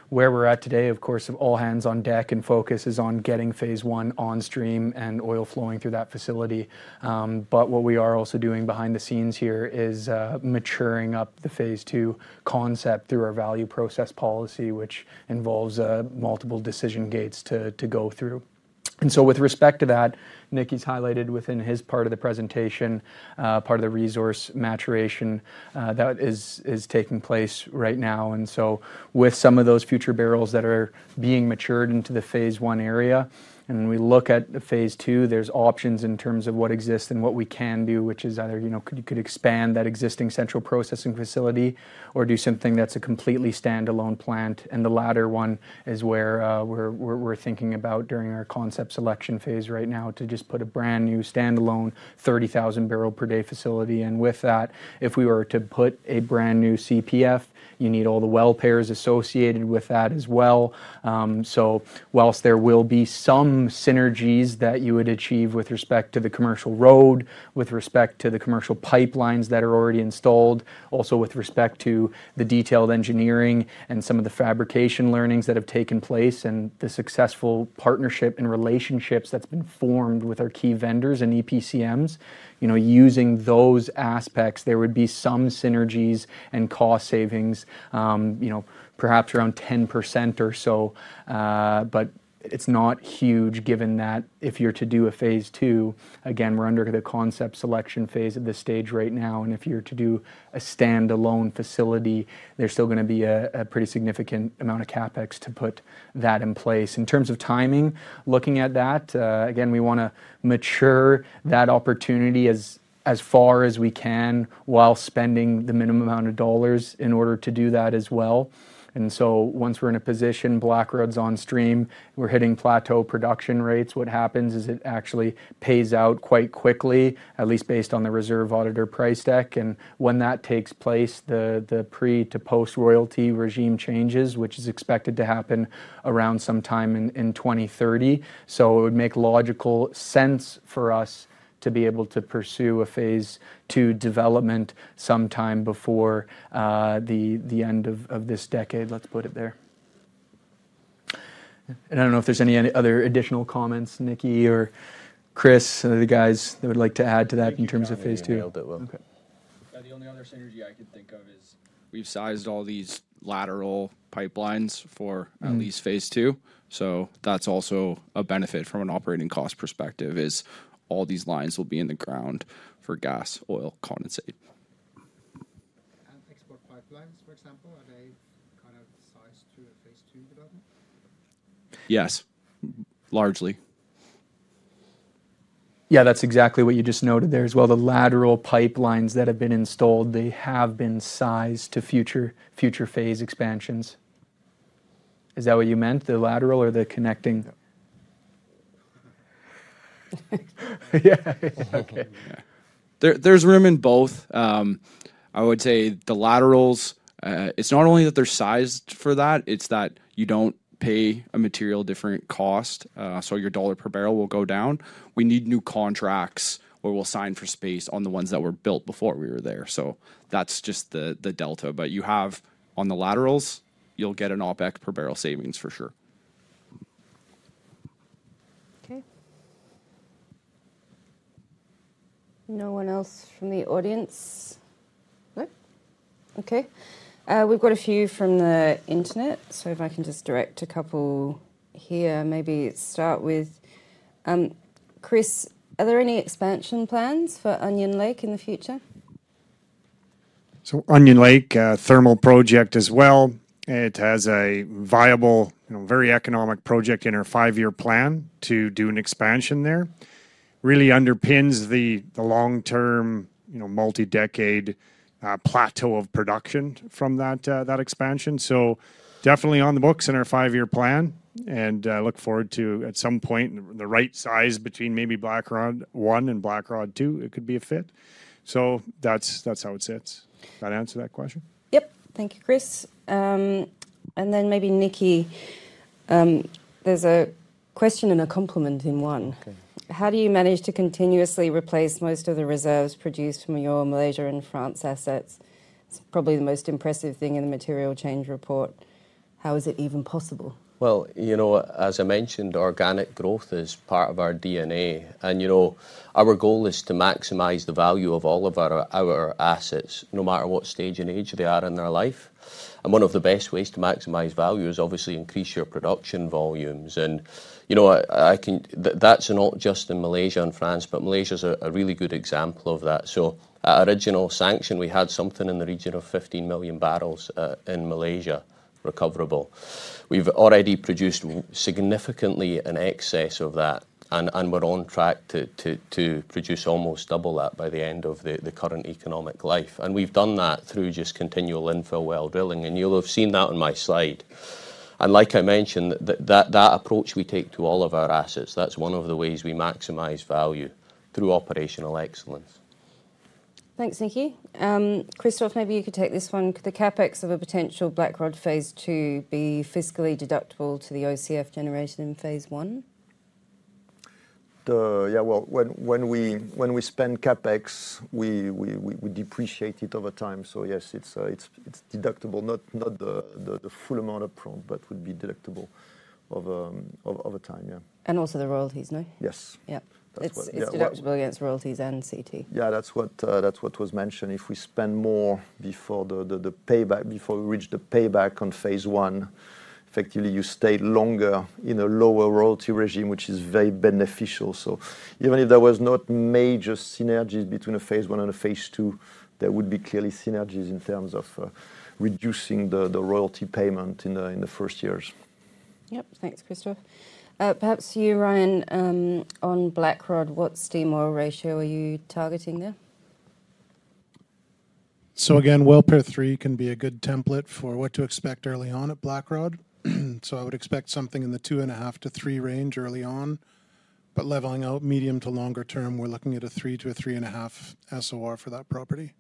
where we're at today, of course, all hands on deck and focus is on getting Phase 1 on stream and oil flowing through that facility. But what we are also doing behind the scenes here is maturing up the phase two concept through our value process policy, which involves multiple decision gates to go through. So with respect to that, Nicki's highlighted within his part of the presentation, part of the resource maturation that is taking place right now. With some of those future barrels that are being matured into the Phase 1 area, and when we look at the Phase 2, there's options in terms of what exists and what we can do, which is either you could expand that existing central processing facility or do something that's a completely standalone plant. The latter one is where we're thinking about during our concept selection phase right now to just put a brand new standalone 30,000-barrel-per-day facility. With that, if we were to put a brand new CPF, you need all the well pads associated with that as well. So while there will be some synergies that you would achieve with respect to the Blackrod, with respect to the Blackrod pipelines that are already installed, also with respect to the detailed engineering and some of the fabrication learnings that have taken place and the successful partnership and relationships that's been formed with our key vendors and EPCMs, using those aspects, there would be some synergies and cost savings, perhaps around 10% or so. But it's not huge given that if you're to do a phase two, again, we're under the concept selection phase at this stage right now. And if you're to do a standalone facility, there's still going to be a pretty significant amount of CapEx to put that in place. In terms of timing, looking at that, again, we want to mature that opportunity as far as we can while spending the minimum amount of dollars in order to do that as well. And so once we're in a position, Blackrod's on stream, we're hitting plateau production rates. What happens is it actually pays out quite quickly, at least based on the reserve auditor price deck. And when that takes place, the pre to post royalty regime changes, which is expected to happen around sometime in 2030. So it would make logical sense for us to be able to pursue a phase two development sometime before the end of this decade, let's put it there. And I don't know if there's any other additional comments, Nicki or Chris, the guys that would like to add to that in terms of Phase 2. The only other synergy I could think of is we've sized all these lateral pipelines for at least Phase 2. So that's also a benefit from an operating cost perspective is all these lines will be in the ground for gas, oil, condensate. Export pipelines, for example, are they kind of sized through a Phase 2 development? Yes, largely. Yeah, that's exactly what you just noted there as well. The lateral pipelines that have been installed, they have been sized to future phase expansions. Is that what you meant, the lateral or the connecting? Yeah. There's room in both. I would say the laterals, it's not only that they're sized for that, it's that you don't pay a material different cost, so your dollar per barrel will go down. We need new contracts where we'll sign for space on the ones that were built before we were there. So that's just the delta. But you have on the laterals, you'll get an opex per barrel savings for sure. Okay. No one else from the audience? No? Okay. We've got a few from the internet. So if I can just direct a couple here, maybe start with Chris, are there any expansion plans for Onion Lake in the future? So Onion Lake, thermal project as well. It has a viable, very economic project in our five-year plan to do an expansion there. Really underpins the long-term, multi-decade plateau of production from that expansion. So definitely on the books in our five-year plan. And I look forward to at some point the right size between maybe Blackrod 1 and Blackrod 2, it could be a fit. So that's how it sits. That answer that question? Yep. Thank you, Chris. And then maybe Nicki, there's a question and a compliment in one. How do you manage to continuously replace most of the reserves produced from your Malaysia and France assets? It's probably the most impressive thing in the material change report. How is it even possible? Well, as I mentioned, organic growth is part of our DNA. And our goal is to maximize the value of all of our assets, no matter what stage and age they are in their life. And one of the best ways to maximize value is obviously increase your production volumes. And that's not just in Malaysia and France, but Malaysia is a really good example of that. So at original sanction, we had something in the region of 15 million barrels in Malaysia recoverable. We've already produced significantly in excess of that. We're on track to produce almost double that by the end of the current economic life. We've done that through just continual infill well drilling. You'll have seen that on my slide. Like I mentioned, that approach we take to all of our assets, that's one of the ways we maximize value through operational excellence. Thanks, Nicki. Christophe, maybe you could take this one. Could the CapEx of a potential Blackrod phase two be fiscally deductible to the OCF generation in Phase 1? Yeah, well, when we spend CapEx, we depreciate it over time. So yes, it's deductible, not the full amount upfront, but would be deductible over time, yeah. Also the royalties, no? Yes. Yeah. It's deductible against royalties and CT. Yeah, that's what was mentioned. If we spend more before we reach the payback on Phase 1, effectively you stay longer in a lower royalty regime, which is very beneficial. So even if there was not major synergies between a Phase 1 and a Phase 2, there would be clearly synergies in terms of reducing the royalty payment in the first years. Yep. Thanks, Christophe. Perhaps to you, Ryan, on Blackrod, what steam oil ratio are you targeting there? So again, well pair three can be a good template for what to expect early on at Blackrod. So I would expect something in the two and a half to three range early on. But leveling out medium to longer term, we're looking at a three to a three and a half SOR for that property.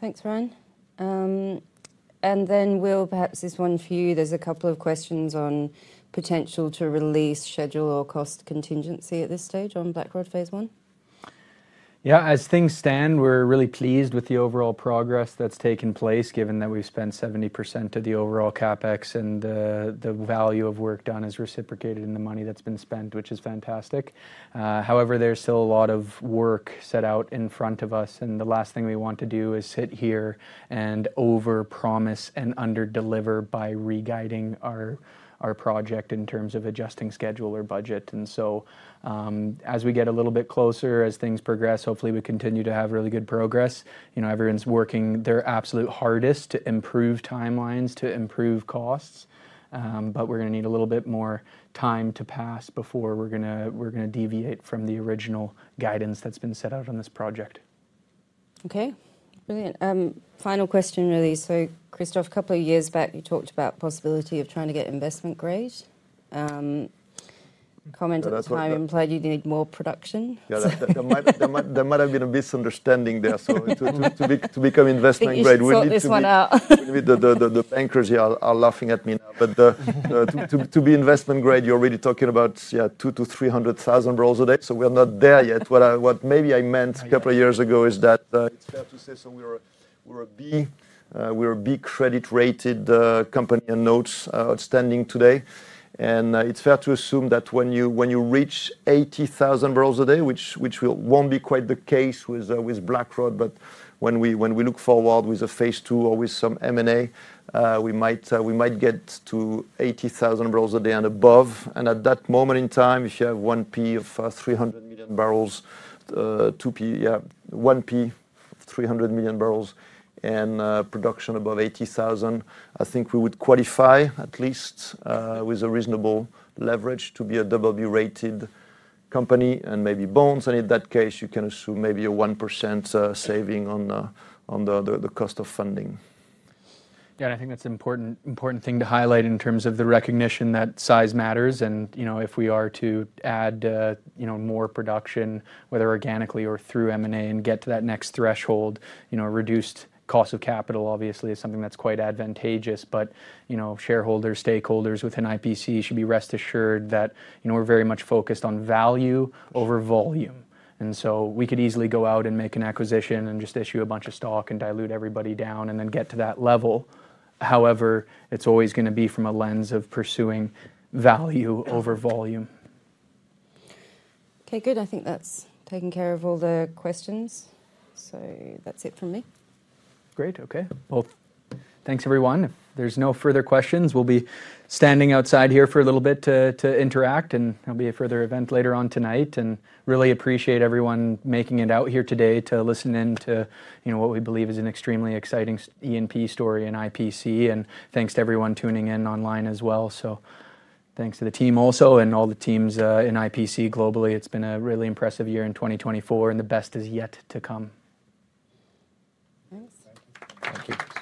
Thanks, Ryan. And then Will, perhaps this one for you. There's a couple of questions on potential to release schedule or cost contingency at this stage on Blackrod Phase 1. Yeah, as things stand, we're really pleased with the overall progress that's taken place, given that we've spent 70% of the overall CapEx and the value of work done is reciprocated in the money that's been spent, which is fantastic. However, there's still a lot of work set out in front of us. The last thing we want to do is sit here and overpromise and underdeliver by re-guiding our project in terms of adjusting schedule or budget. So as we get a little bit closer, as things progress, hopefully we continue to have really good progress. Everyone's working their absolute hardest to improve timelines, to improve costs. But we're going to need a little bit more time to pass before we're going to deviate from the original guidance that's been set out on this project. Okay. Brilliant. Final question really. So Christophe, a couple of years back, you talked about possibility of trying to get investment grade. Comment at the time implied you'd need more production. Yeah, there might have been a misunderstanding there. So to become investment grade, we need to talk this one out. Maybe the bankers are laughing at me now. But to be investment grade, you're already talking about 200,000 to 300,000 barrels a day. So we're not there yet. What maybe I meant a couple of years ago is that it's fair to say we're a B, we're a B credit rated company and notes outstanding today. It's fair to assume that when you reach 80,000 BOEs a day, which won't be quite the case with Blackrod, but when we look forward with a Phase 2 or with some M&A, we might get to 80,000 BOEs a day and above. And at that moment in time, if you have 1P of 300 million barrels, 2P, yeah, 1P of 300 million barrels and production above 80,000, I think we would qualify at least with a reasonable leverage to be a BBB-rated company and maybe bonds. And in that case, you can assume maybe a 1% saving on the cost of funding. Yeah, and I think that's an important thing to highlight in terms of the recognition that size matters. And if we are to add more production, whether organically or through M&A and get to that next threshold, reduced cost of capital obviously is something that's quite advantageous. But shareholders, stakeholders within IPC should be rest assured that we're very much focused on value over volume. And so we could easily go out and make an acquisition and just issue a bunch of stock and dilute everybody down and then get to that level. However, it's always going to be from a lens of pursuing value over volume. Okay, good. I think that's taken care of all the questions. So that's it from me. Great. Okay. Well, thanks everyone. If there's no further questions, we'll be standing outside here for a little bit to interact. And there'll be a further event later on tonight. And really appreciate everyone making it out here today to listen in to what we believe is an extremely exciting E&P story in IPC. And thanks to everyone tuning in online as well. So thanks to the team also and all the teams in IPC globally. It's been a really impressive year in 2024 and the best is yet to come. Thanks.